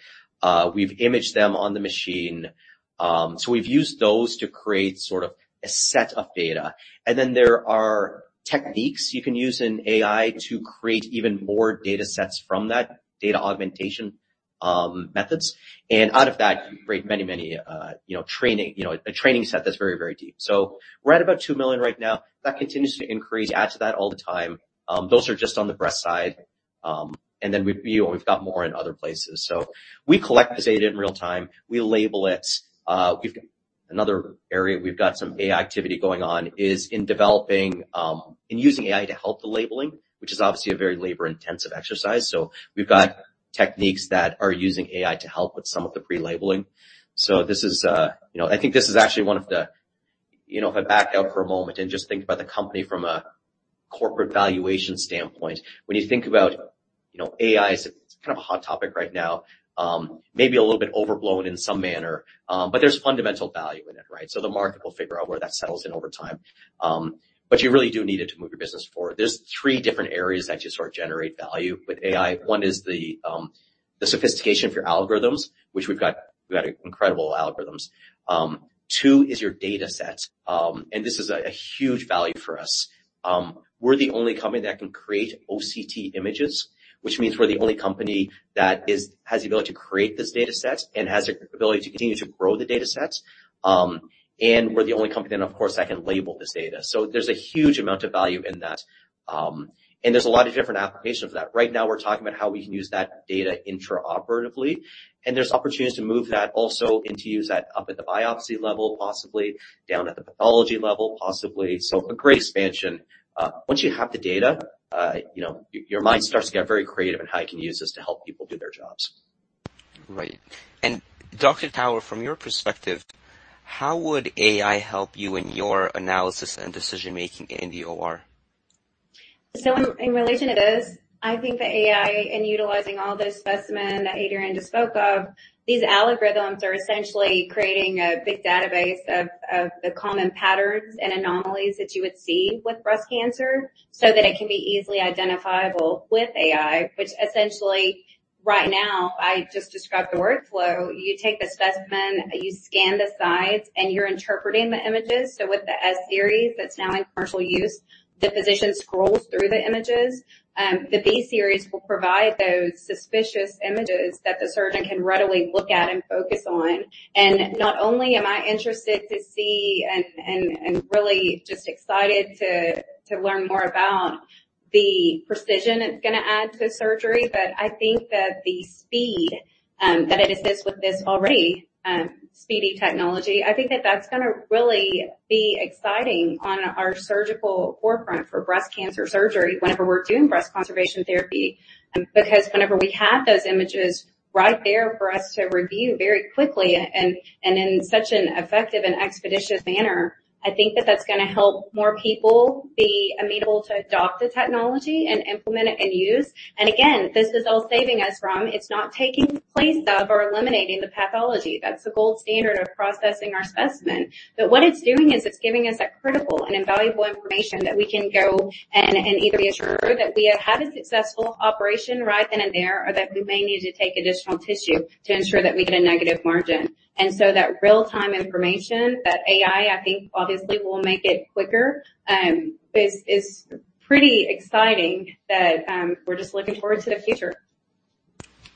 We've imaged them on the machine. So we've used those to create sort of a set of data. Then there are techniques you can use in AI to create even more data sets from that data augmentation methods, and out of that, you create many, many, you know, training, you know, a training set that's very, very deep. So we're at about 2 million right now. That continues to increase. We add to that all the time. Those are just on the breast side, and then we've, you know, we've got more in other places. So we collect this data in real time, we label it. We've got another area we've got some AI activity going on is in developing, in using AI to help the labeling, which is obviously a very labor-intensive exercise, so we've got techniques that are using AI to help with some of the prelabeling. So this is, you know, I think this is actually one of the... You know, if I back out for a moment and just think about the company from a corporate valuation standpoint, when you think about, you know, AI, it's kind of a hot topic right now, maybe a little bit overblown in some manner, but there's fundamental value in it, right? So the market will figure out where that settles in over time. But you really do need it to move your business forward. There's three different areas that just sort of generate value with AI. One is the sophistication of your algorithms, which we've got, we've got incredible algorithms. Two is your data set, and this is a huge value for us. We're the only company that can create OCT images, which means we're the only company that has the ability to create this data sets and has the ability to continue to grow the data sets. And we're the only company, and, of course, that can label this data. So there's a huge amount of value in that, and there's a lot of different applications of that. Right now, we're talking about how we can use that data intraoperatively, and there's opportunities to move that also, and to use that up at the biopsy level, possibly down at the pathology level, possibly. So a great expansion. Once you have the data, you know, your mind starts to get very creative in how you can use this to help people do their jobs. Right. And, Dr. Tower, from your perspective, how would AI help you in your analysis and decision-making in the OR? So in relation to this, I think the AI, in utilizing all those specimen that Adrian just spoke of, these algorithms are essentially creating a big database of, of the common patterns and anomalies that you would see with breast cancer, so that it can be easily identifiable with AI, which essentially, right now, I just described the workflow. You take the specimen, you scan the sides, and you're interpreting the images. So with the S series, that's now in commercial use, the physician scrolls through the images. The B series will provide those suspicious images that the surgeon can readily look at and focus on. Not only am I interested to see and really just excited to learn more about the precision it's gonna add to the surgery, but I think that the speed that it assists with this already speedy technology, I think that that's gonna really be exciting on our surgical forefront for breast cancer surgery whenever we're doing breast conservation therapy. Because whenever we have those images right there for us to review very quickly and in such an effective and expeditious manner, I think that that's gonna help more people be amenable to adopt the technology and implement it, and use. And again, this is all saving us from... It's not taking place of or eliminating the pathology. That's the gold standard of processing our specimen. But what it's doing is it's giving us that critical and invaluable information that we can go and either be assured that we have had a successful operation right then and there, or that we may need to take additional tissue to ensure that we get a negative margin. And so that real-time information, that AI, I think, obviously, will make it quicker, is pretty exciting that we're just looking forward to the future.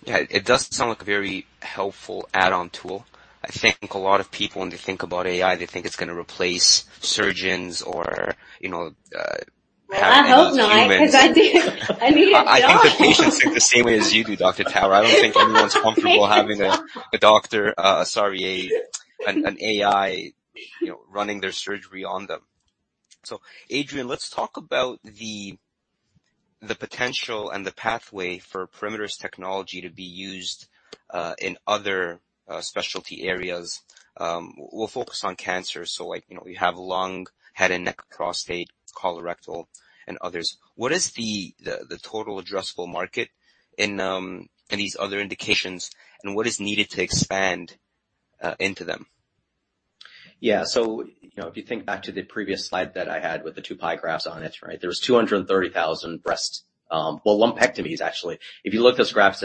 Yeah, it does sound like a very helpful add-on tool. I think a lot of people, when they think about AI, they think it's gonna replace surgeons or, you know, have- I hope not, because I need a job. I think the patients think the same way as you do, Dr. Tower. I don't think everyone's comfortable having a doctor, sorry, an AI, you know, running their surgery on them. So, Adrian, let's talk about the potential and the pathway for Perimeter's technology to be used in other specialty areas. We'll focus on cancer, so like, you know, we have lung, head and neck, prostate, colorectal, and others. What is the total addressable market in these other indications, and what is needed to expand into them? Yeah. So, you know, if you think back to the previous slide that I had with the two pie graphs on it, right? There was 230,000 breast, well, lumpectomies, actually. If you look at those graphs,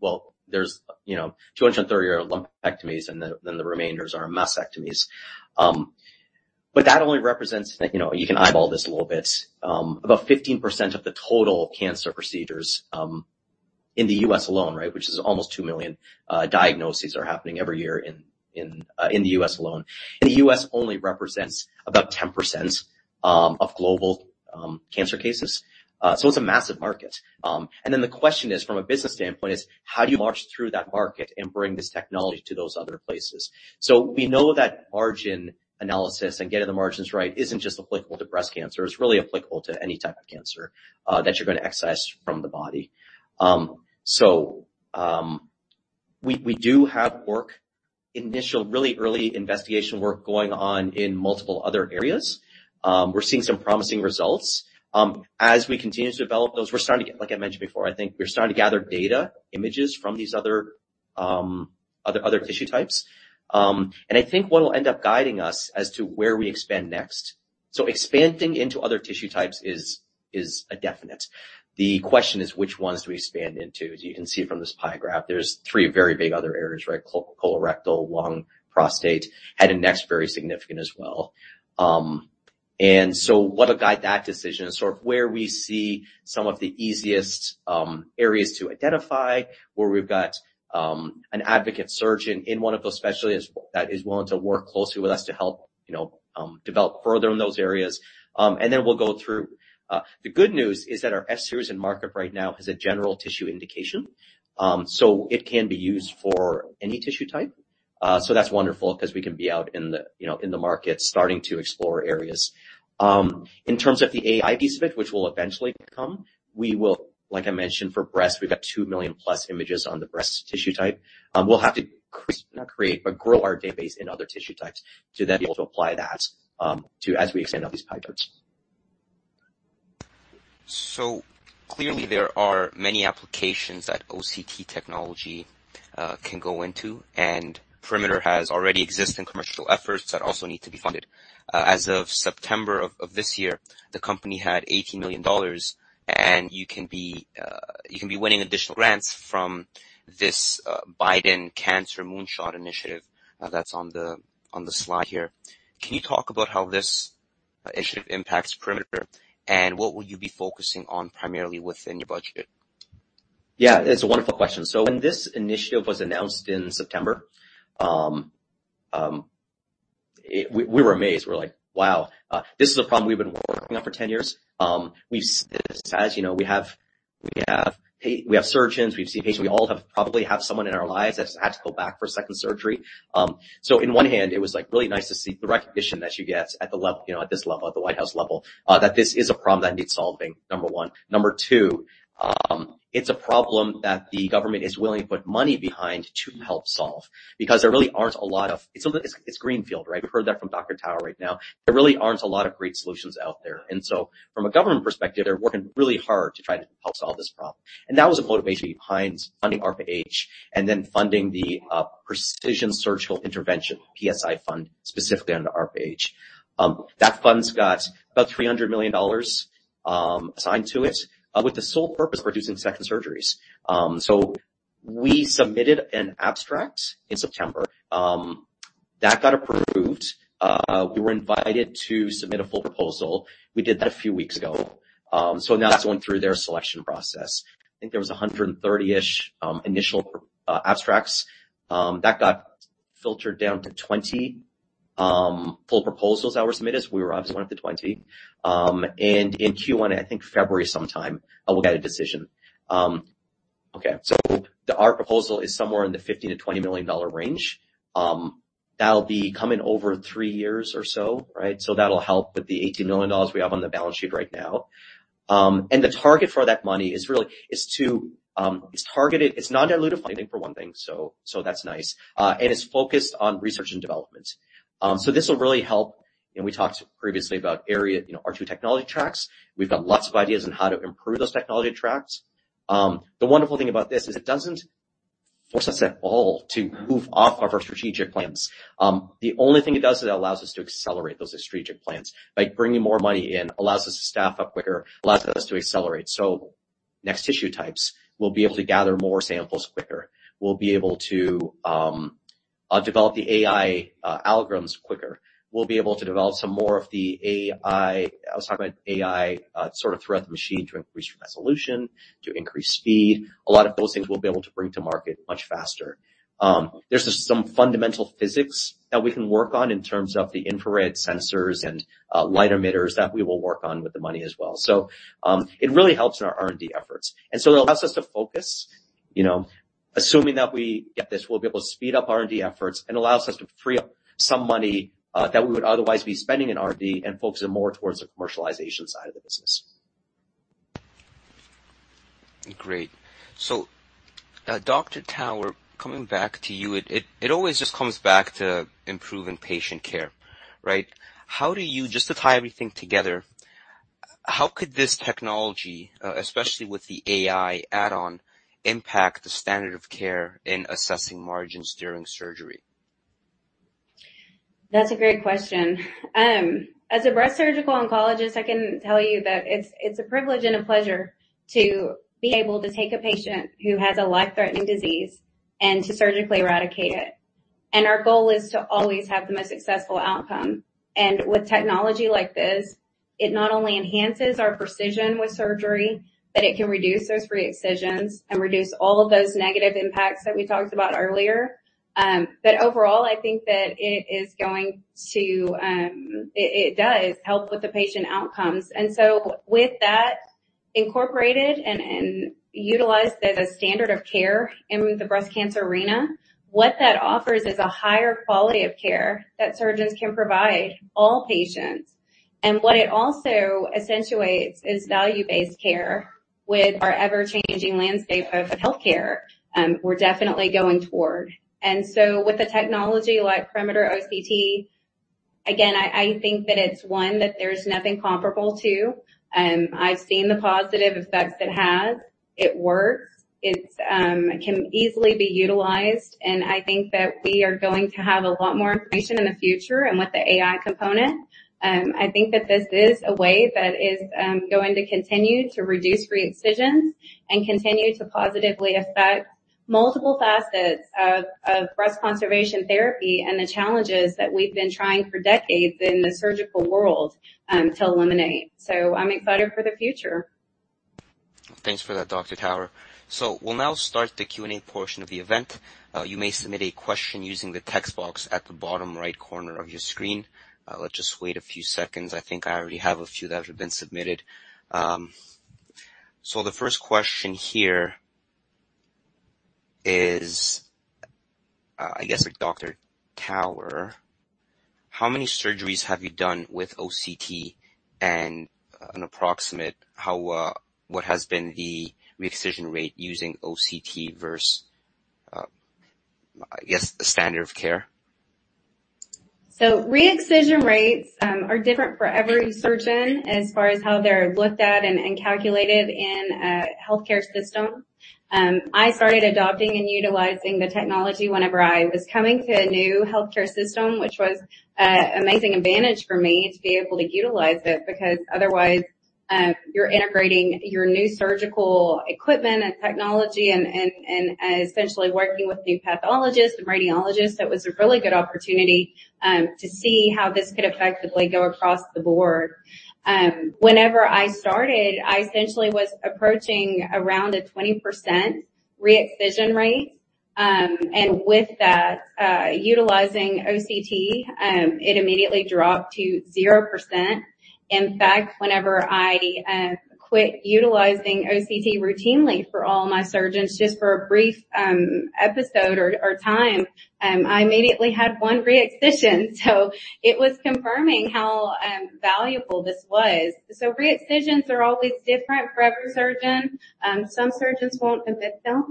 Well, there's, you know, 230 are lumpectomies, and then the remainders are mastectomies. But that only represents, you know, you can eyeball this a little bit, about 15% of the total cancer procedures, in the U.S. alone, right, which is almost 2 million diagnoses are happening every year in the U.S. alone. And the U.S. only represents about 10% of global cancer cases. So it's a massive market. And then the question is, from a business standpoint, is: how do you march through that market and bring this technology to those other places? So we know that margin analysis and getting the margins right isn't just applicable to breast cancer, it's really applicable to any type of cancer, that you're gonna excise from the body. So, we do have work, initial, really early investigation work going on in multiple other areas. We're seeing some promising results. As we continue to develop those, we're starting to get. Like I mentioned before, I think we're starting to gather data, images from these other, other tissue types. And I think what will end up guiding us as to where we expand next. So expanding into other tissue types is a definite. The question is, which ones do we expand into? As you can see from this pie graph, there's three very big other areas, right? Colorectal, lung, prostate, head and neck is very significant as well. And so what will guide that decision is sort of where we see some of the easiest areas to identify, where we've got an advocate surgeon in one of those specialties that is willing to work closely with us to help, you know, develop further in those areas. And then we'll go through. The good news is that our S-Series in market right now has a general tissue indication. So it can be used for any tissue type. So that's wonderful because we can be out in the, you know, in the market starting to explore areas. In terms of the AI piece of it, which will eventually come, we will, like I mentioned, for breast, we've got 2 million+ images on the breast tissue type. We'll have to not create, but grow our database in other tissue types to then be able to apply that, to as we expand out these pipelines. So clearly, there are many applications that OCT technology can go into, and Perimeter has already existing commercial efforts that also need to be funded. As of September of this year, the company had $80 million, and you can be, you can be winning additional grants from this, Biden Cancer Moonshot Initiative, that's on the slide here. Can you talk about how this initiative impacts Perimeter, and what will you be focusing on primarily within your budget? Yeah, it's a wonderful question. So when this initiative was announced in September, we were amazed. We're like, "Wow!" This is a problem we've been working on for 10 years. As you know, we have surgeons; we've seen patients. We all have, probably, someone in our lives that's had to go back for a second surgery. So in one hand, it was, like, really nice to see the recognition that you get at the level, you know, at this level, at the White House level, that this is a problem that needs solving, number one. Number two, it's a problem that the government is willing to put money behind to help solve because there really aren't a lot of... It's a, it's greenfield, right? We've heard that from Dr. Tower right now. There really aren't a lot of great solutions out there. And so from a government perspective, they're working really hard to try to help solve this problem. And that was the motivation behind funding ARPA-H, and then funding the, Precision Surgical Intervention, PSI Fund, specifically under ARPA-H. That fund's got about $300 million assigned to it, with the sole purpose of reducing second surgeries. So we submitted an abstract in September, that got approved. We were invited to submit a full proposal. We did that a few weeks ago. So now that's going through their selection process. I think there was 130-ish initial abstracts that got filtered down to 20 full proposals that were submitted. So we were obviously one of the 20. In Q1, I think February sometime, we'll get a decision. Okay, so our proposal is somewhere in the $50 million-20 million range. That'll be coming over three years or so, right? So that'll help with the $80 million we have on the balance sheet right now. And the target for that money is really, is to, it's targeted, it's non-dilutive funding for one thing, so, so that's nice. And it's focused on research and development. So this will really help, and we talked previously about area, you know, our two technology tracks. We've got lots of ideas on how to improve those technology tracks. The wonderful thing about this is it doesn't force us at all to move off of our strategic plans. The only thing it does is it allows us to accelerate those strategic plans. By bringing more money in, allows us to staff up quicker, allows us to accelerate. So next tissue types, we'll be able to gather more samples quicker. We'll be able to develop the AI algorithms quicker. We'll be able to develop some more of the AI. I was talking about AI sort of throughout the machine to increase resolution, to increase speed. A lot of those things we'll be able to bring to market much faster. There's just some fundamental physics that we can work on in terms of the infrared sensors and light emitters that we will work on with the money as well. So it really helps in our R&D efforts. It allows us to focus, you know, assuming that we get this, we'll be able to speed up R&D efforts and allows us to free up some money that we would otherwise be spending in R&D and focus it more towards the commercialization side of the business. Great. So, Dr. Tower, coming back to you, it always just comes back to improving patient care, right? How do you... Just to tie everything together, how could this technology, especially with the AI add-on, impact the standard of care in assessing margins during surgery? That's a great question. As a Breast Surgical Oncologist, I can tell you that it's a privilege and a pleasure to be able to take a patient who has a life-threatening disease. And to surgically eradicate it. Our goal is to always have the most successful outcome. And with technology like this, it not only enhances our precision with surgery, but it can reduce those re-excisions and reduce all of those negative impacts that we talked about earlier. But overall, I think that it is going to, it does help with the patient outcomes. And so with that incorporated and utilized as a standard of care in the breast cancer arena, what that offers is a higher quality of care that surgeons can provide all patients. And what it also accentuates is value-based care with our ever-changing landscape of healthcare, we're definitely going toward. And so with the technology like Perimeter OCT, again, I think that there's nothing comparable to. I've seen the positive effects it has. It works, can easily be utilized, and I think that we are going to have a lot more information in the future and with the AI component. I think that this is a way that is going to continue to reduce re-excisions and continue to positively affect multiple facets of breast conservation therapy and the challenges that we've been trying for decades in the surgical world to eliminate. So I'm excited for the future. Thanks for that, Dr. Tower. So we'll now start the Q&A portion of the event. You may submit a question using the text box at the bottom right corner of your screen. Let's just wait a few seconds. I think I already have a few that have been submitted. So the first question here is, I guess for Dr. Tower: How many surgeries have you done with OCT? And an approximate, how, what has been the re-excision rate using OCT versus, I guess, the standard of care? So re-excision rates are different for every surgeon as far as how they're looked at and calculated in a healthcare system. I started adopting and utilizing the technology whenever I was coming to a new healthcare system, which was an amazing advantage for me to be able to utilize it, because otherwise, you're integrating your new surgical equipment and technology and essentially working with new pathologists and radiologists. It was a really good opportunity to see how this could effectively go across the board. Whenever I started, I essentially was approaching around a 20% re-excision rate. And with that, utilizing OCT, it immediately dropped to 0%. In fact, whenever I quit utilizing OCT routinely for all my surgeons, just for a brief episode or time, I immediately had one re-excision, so it was confirming how valuable this was. So re-excisions are always different for every surgeon. Some surgeons won't admit them.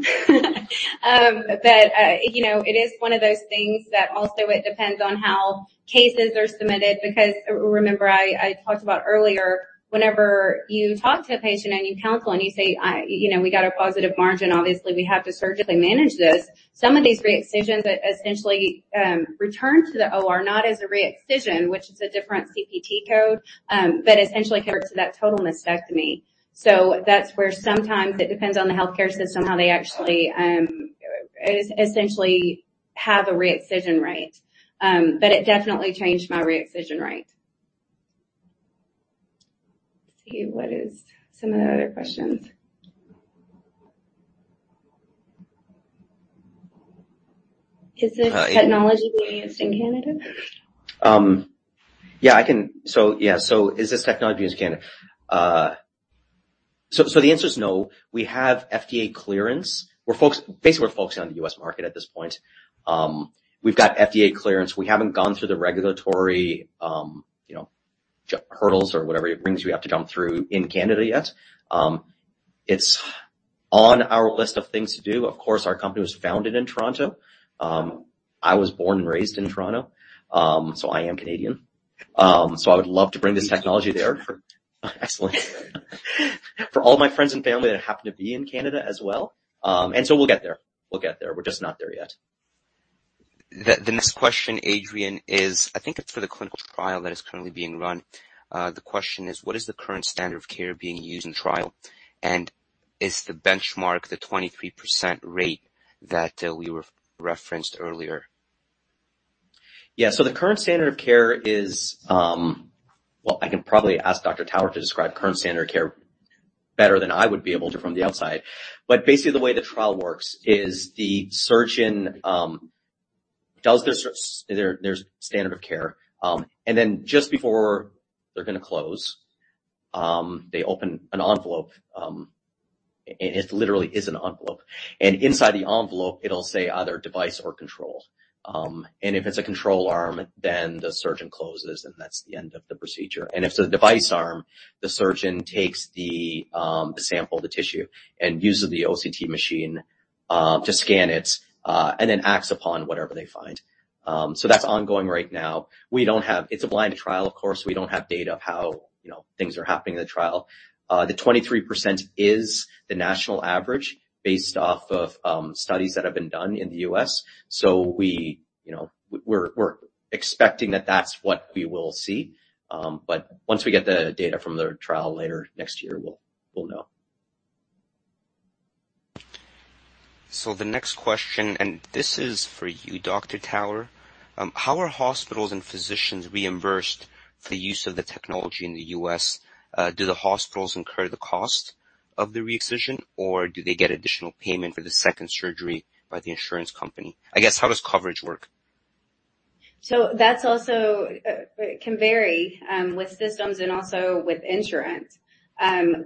But, you know, it is one of those things that also it depends on how cases are submitted, because remember, I talked about earlier, whenever you talk to a patient and you counsel and you say, "you know, we got a positive margin, obviously, we have to surgically manage this," some of these re-excisions essentially return to the OR, not as a re-excision, which is a different CPT code, but essentially count to that total mastectomy. So that's where sometimes it depends on the healthcare system, how they actually, essentially have a re-excision rate. But it definitely changed my re-excision rate. Let's see, what is some of the other questions? Is this technology being used in Canada? Yeah. So is this technology being used in Canada? So, the answer is no. We have FDA clearance. We're focusing on the U.S. market at this point. We've got FDA clearance. We haven't gone through the regulatory, you know, hurdles or whatever it brings you have to jump through in Canada yet. It's on our list of things to do. Of course, our company was founded in Toronto. I was born and raised in Toronto, so I am Canadian. So I would love to bring this technology there. Excellent. For all my friends and family that happen to be in Canada as well. And so we'll get there. We'll get there. We're just not there yet. The next question, Adrian, is I think it's for the clinical trial that is currently being run. The question is: What is the current standard of care being used in trial, and is the benchmark the 23% rate that we were referenced earlier? Yeah. So the current standard of care is, Well, I can probably ask Dr. Tower to describe current standard of care better than I would be able to from the outside. But basically, the way the trial works is the surgeon does their standard of care, and then just before they're gonna close, they open an envelope, and it literally is an envelope. And inside the envelope, it'll say either device or control. And if it's a control arm, then the surgeon closes, and that's the end of the procedure. And if it's a device arm, the surgeon takes the sample, the tissue, and uses the OCT machine to scan it, and then acts upon whatever they find. So that's ongoing right now. We don't have. It's a blind trial, of course, we don't have data of how, you know, things are happening in the trial. The 23% is the national average based off of studies that have been done in the U.S. So we, you know, we're expecting that that's what we will see. But once we get the data from the trial later next year, we'll know. The next question, and this is for you, Dr. Tower. How are hospitals and physicians reimbursed for the use of the technology in the U.S.? Do the hospitals incur the cost of the re-excision, or do they get additional payment for the second surgery by the insurance company? I guess, how does coverage work? So that's also can vary with systems and also with insurance.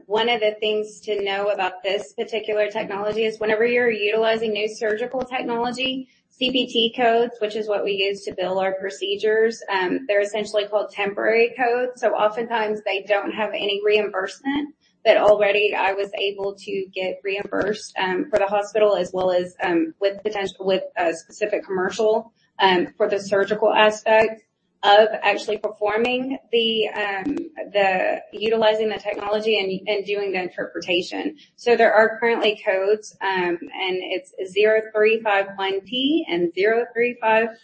One of the things to know about this particular technology is whenever you're utilizing new surgical technology, CPT codes, which is what we use to bill our procedures, they're essentially called temporary codes, so oftentimes they don't have any reimbursement. But already I was able to get reimbursed for the hospital as well as with potential—with a specific commercial for the surgical aspect of actually performing the utilizing the technology and doing the interpretation. So there are currently codes, and it's 0351T and 0352T,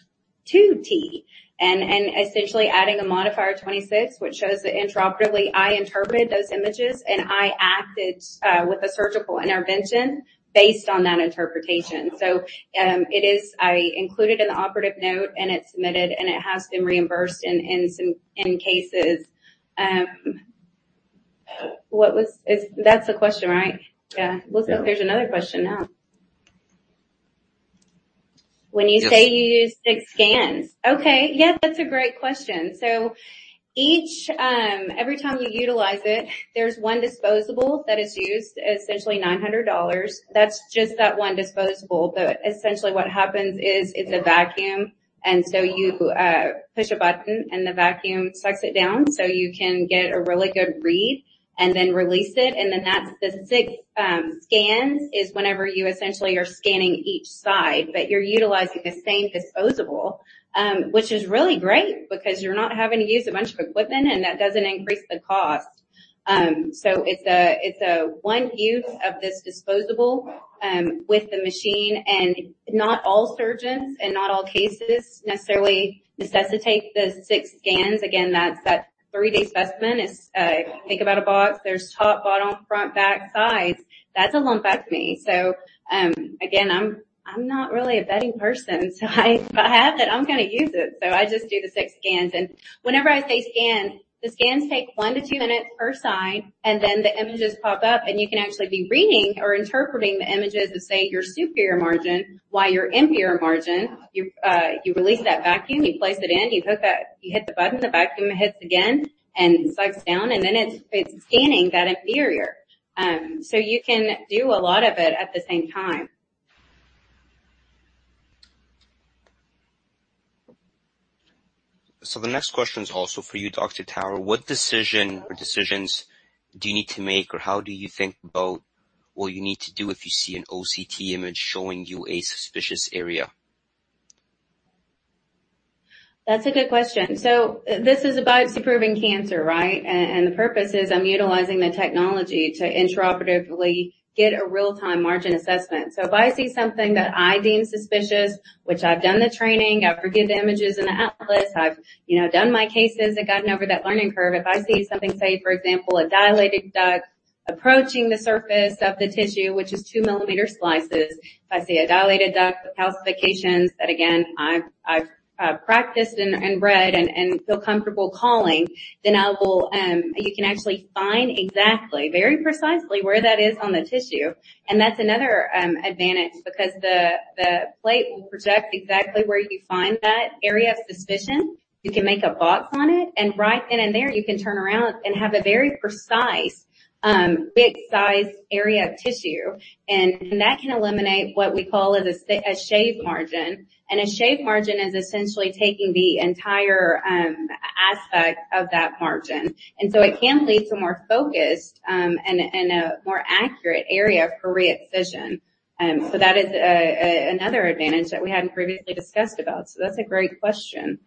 and essentially adding a modifier 26, which shows that intraoperatively I interpreted those images, and I acted with a surgical intervention based on that interpretation. So it is...I included in the operative note, and it's submitted, and it has been reimbursed in some cases. That's the question, right? Yeah. Yes. Looks like there's another question now. When you say you use six scans? Okay, yeah, that's a great question. So each, every time you utilize it, there's one disposable that is used, essentially $900. That's just that one disposable. But essentially what happens is, it's a vacuum, and so you push a button, and the vacuum sucks it down, so you can get a really good read and then release it, and then that's the six scans, is whenever you essentially are scanning each side, but you're utilizing the same disposable, which is really great because you're not having to use a bunch of equipment, and that doesn't increase the cost. So it's a, it's a one use of this disposable, with the machine, and not all surgeons and not all cases necessarily necessitate the six scans. Again, that's that three-day specimen. It's, think about a box. There's top, bottom, front, back, sides. That's a lumpectomy. So, again, I'm not really a betting person, so if I have it, I'm gonna use it. So I just do the six scans. And whenever I say scan, the scans take one to two minutes per side, and then the images pop up, and you can actually be reading or interpreting the images of, say, your superior margin, while your inferior margin, you release that vacuum, you place it in, you put that. You hit the button, the vacuum hits again, and sucks down, and then it's scanning that inferior. So you can do a lot of it at the same time. The next question is also for you, Dr. Tower. What decision or decisions do you need to make, or how do you think about what you need to do if you see an OCT image showing you a suspicious area? That's a good question. So this is a biopsy-proven cancer, right? And the purpose is I'm utilizing the technology to intraoperatively get a real-time margin assessment. So if I see something that I deem suspicious, which I've done the training, I've reviewed the images in the atlas, I've, you know, done my cases, I've gotten over that learning curve. If I see something, say, for example, a dilated duct approaching the surface of the tissue, which is 2-millimeter slices. If I see a dilated duct with calcifications, that again, I've practiced and read and feel comfortable calling, then I will, you can actually find exactly, very precisely where that is on the tissue. And that's another advantage because the plate will project exactly where you find that area of suspicion. You can make a box on it, and right then and there, you can turn around and have a very precise, big size area of tissue, and that can eliminate what we call as a shave margin. And a shave margin is essentially taking the entire, aspect of that margin. And so it can lead to more focused, and a more accurate area for re-excision. So that is another advantage that we hadn't previously discussed about. So that's a great question.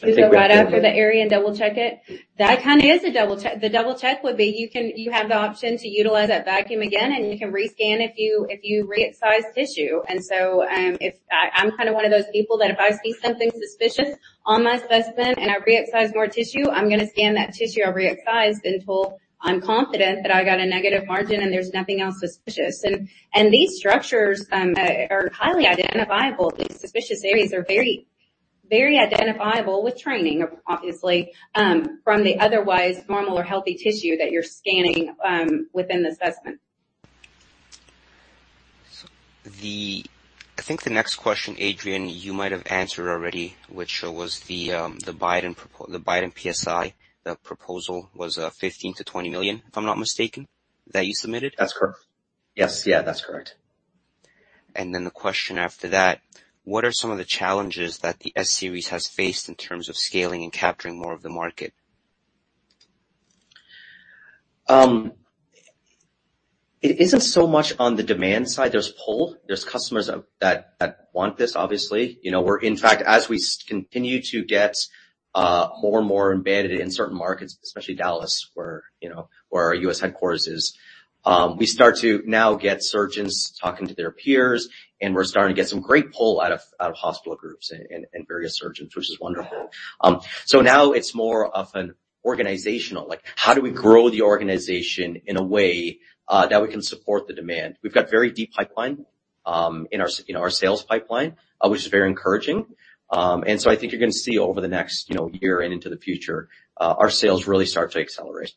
Go right after the area and double-check it? That kind of is a double-check. The double check would be, you can... You have the option to utilize that vacuum again, and you can rescan if you re-excise tissue. And so, if I'm kind of one of those people that if I see something suspicious on my specimen and I re-excise more tissue, I'm gonna scan that tissue I've re-excised until I'm confident that I got a negative margin and there's nothing else suspicious. And these structures are highly identifiable. These suspicious areas are very, very identifiable with training, obviously, from the otherwise normal or healthy tissue that you're scanning within the specimen. So, I think the next question, Adrian, you might have answered already, which was the, the Biden propo—the Biden PSI. The proposal was, fifteen to twenty million, if I'm not mistaken, that you submitted? That's correct. Yes. Yeah, that's correct. And then the question after that, what are some of the challenges that the S-Series has faced in terms of scaling and capturing more of the market? It isn't so much on the demand side. There's pull, there's customers that want this, obviously. You know, we're, in fact, as we continue to get more and more embedded in certain markets, especially Dallas, where you know our U.S. headquarters is, we start to now get surgeons talking to their peers, and we're starting to get some great pull out of hospital groups and various surgeons, which is wonderful. So now it's more of an organizational, like, how do we grow the organization in a way that we can support the demand? We've got very deep pipeline in our sales pipeline, which is very encouraging. And so I think you're going to see over the next, you know, year and into the future, our sales really start to accelerate.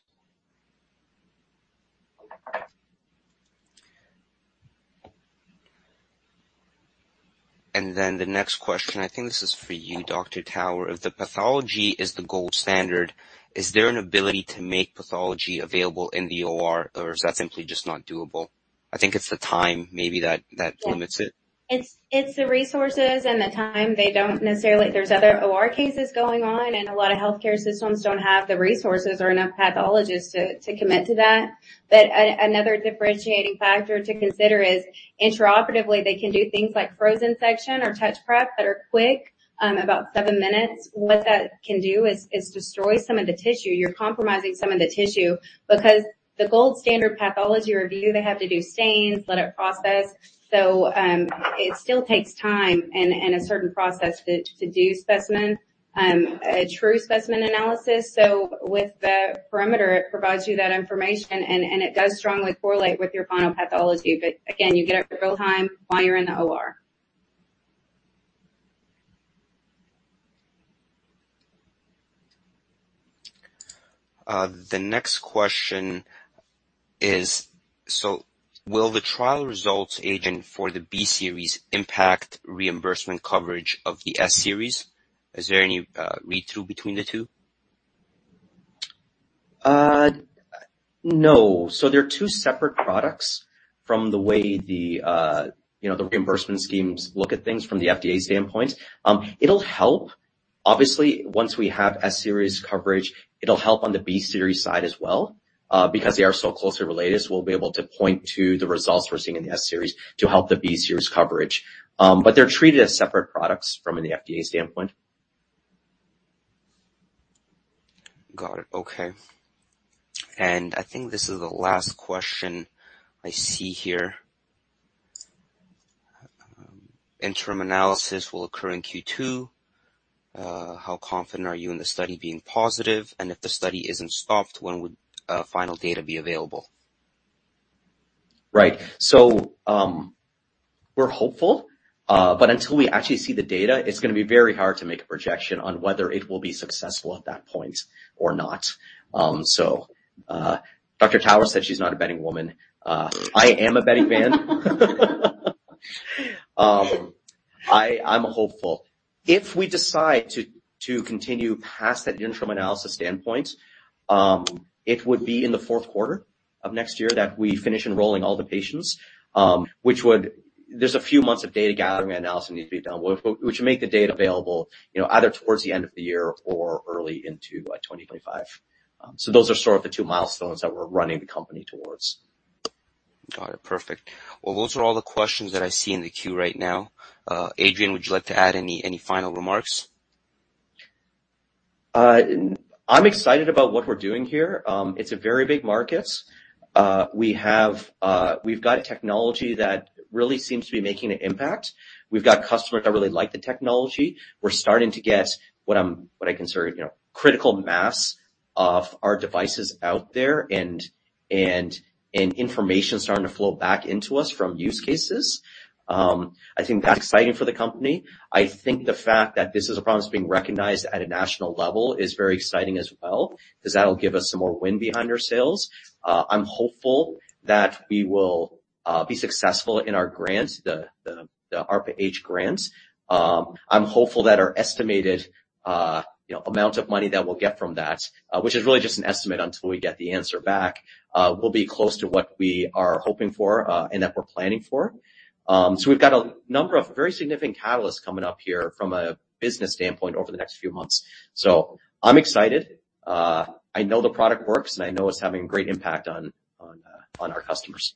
Then the next question, I think this is for you, Dr. Tower. If the pathology is the gold standard, is there an ability to make pathology available in the OR, or is that simply just not doable? I think it's the time maybe that limits it. It's the resources and the time. They don't necessarily... There's other OR cases going on, and a lot of healthcare systems don't have the resources or enough pathologists to commit to that. But another differentiating factor to consider is, intraoperatively, they can do things like frozen section or touch prep that are quick, about 7 minutes. What that can do is destroy some of the tissue. You're compromising some of the tissue because the gold standard pathology review, they have to do stains, let it process. So, it still takes time and a certain process to do specimen, a true specimen analysis. So with the Perimeter, it provides you that information, and it does strongly correlate with your final pathology. But again, you get it real-time while you're in the OR. The next question is: So will the trial results, Adrian, for the B-Series impact reimbursement coverage of the S-Series? Is there any read-through between the two? No. So they're two separate products from the way the, you know, the reimbursement schemes look at things from the FDA standpoint. It'll help. Obviously, once we have S-Series coverage, it'll help on the B-Series side as well. Because they are so closely related, so we'll be able to point to the results we're seeing in the S-Series to help the B-Series coverage. But they're treated as separate products from an FDA standpoint. Got it. Okay. I think this is the last question I see here. Interim analysis will occur in Q2. How confident are you in the study being positive? And if the study isn't stopped, when would final data be available? Right. So, we're hopeful, but until we actually see the data, it's gonna be very hard to make a projection on whether it will be successful at that point or not. So, Dr. Tower said she's not a betting woman. I am a betting man. I, I'm hopeful. If we decide to continue past that interim analysis standpoint, it would be in the fourth quarter of next year that we finish enrolling all the patients, which would—There's a few months of data gathering and analysis that need to be done, which would make the data available, you know, either towards the end of the year or early into, like, 2025. So those are sort of the two milestones that we're running the company towards. Got it. Perfect. Well, those are all the questions that I see in the queue right now. Adrian, would you like to add any, any final remarks? I'm excited about what we're doing here. It's a very big market. We have... We've got a technology that really seems to be making an impact. We've got customers that really like the technology. We're starting to get what I consider, you know, critical mass of our devices out there and information starting to flow back into us from use cases. I think that's exciting for the company. I think the fact that this is a product that's being recognized at a national level is very exciting as well, because that'll give us some more wind behind our sales. I'm hopeful that we will be successful in our grant, the ARPA-H grant. I'm hopeful that our estimated, you know, amount of money that we'll get from that, which is really just an estimate until we get the answer back, will be close to what we are hoping for, and that we're planning for. So we've got a number of very significant catalysts coming up here from a business standpoint over the next few months. So I'm excited. I know the product works, and I know it's having a great impact on our customers.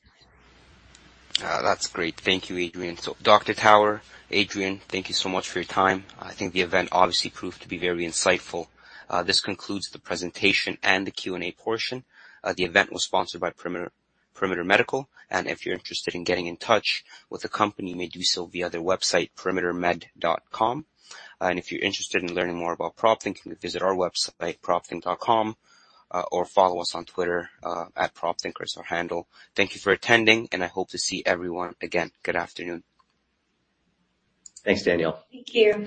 That's great. Thank you, Adrian. So, Dr. Tower, Adrian, thank you so much for your time. I think the event obviously proved to be very insightful. This concludes the presentation and the Q&A portion. The event was sponsored by Perimeter, Perimeter Medical, and if you're interested in getting in touch with the company, you may do so via their website, perimetermed.com. If you're interested in learning more about PropThink, you can visit our website, propthink.com, or follow us on Twitter at PropThinkers, our handle. Thank you for attending, and I hope to see everyone again. Good afternoon. Thanks, Daniel. Thank you.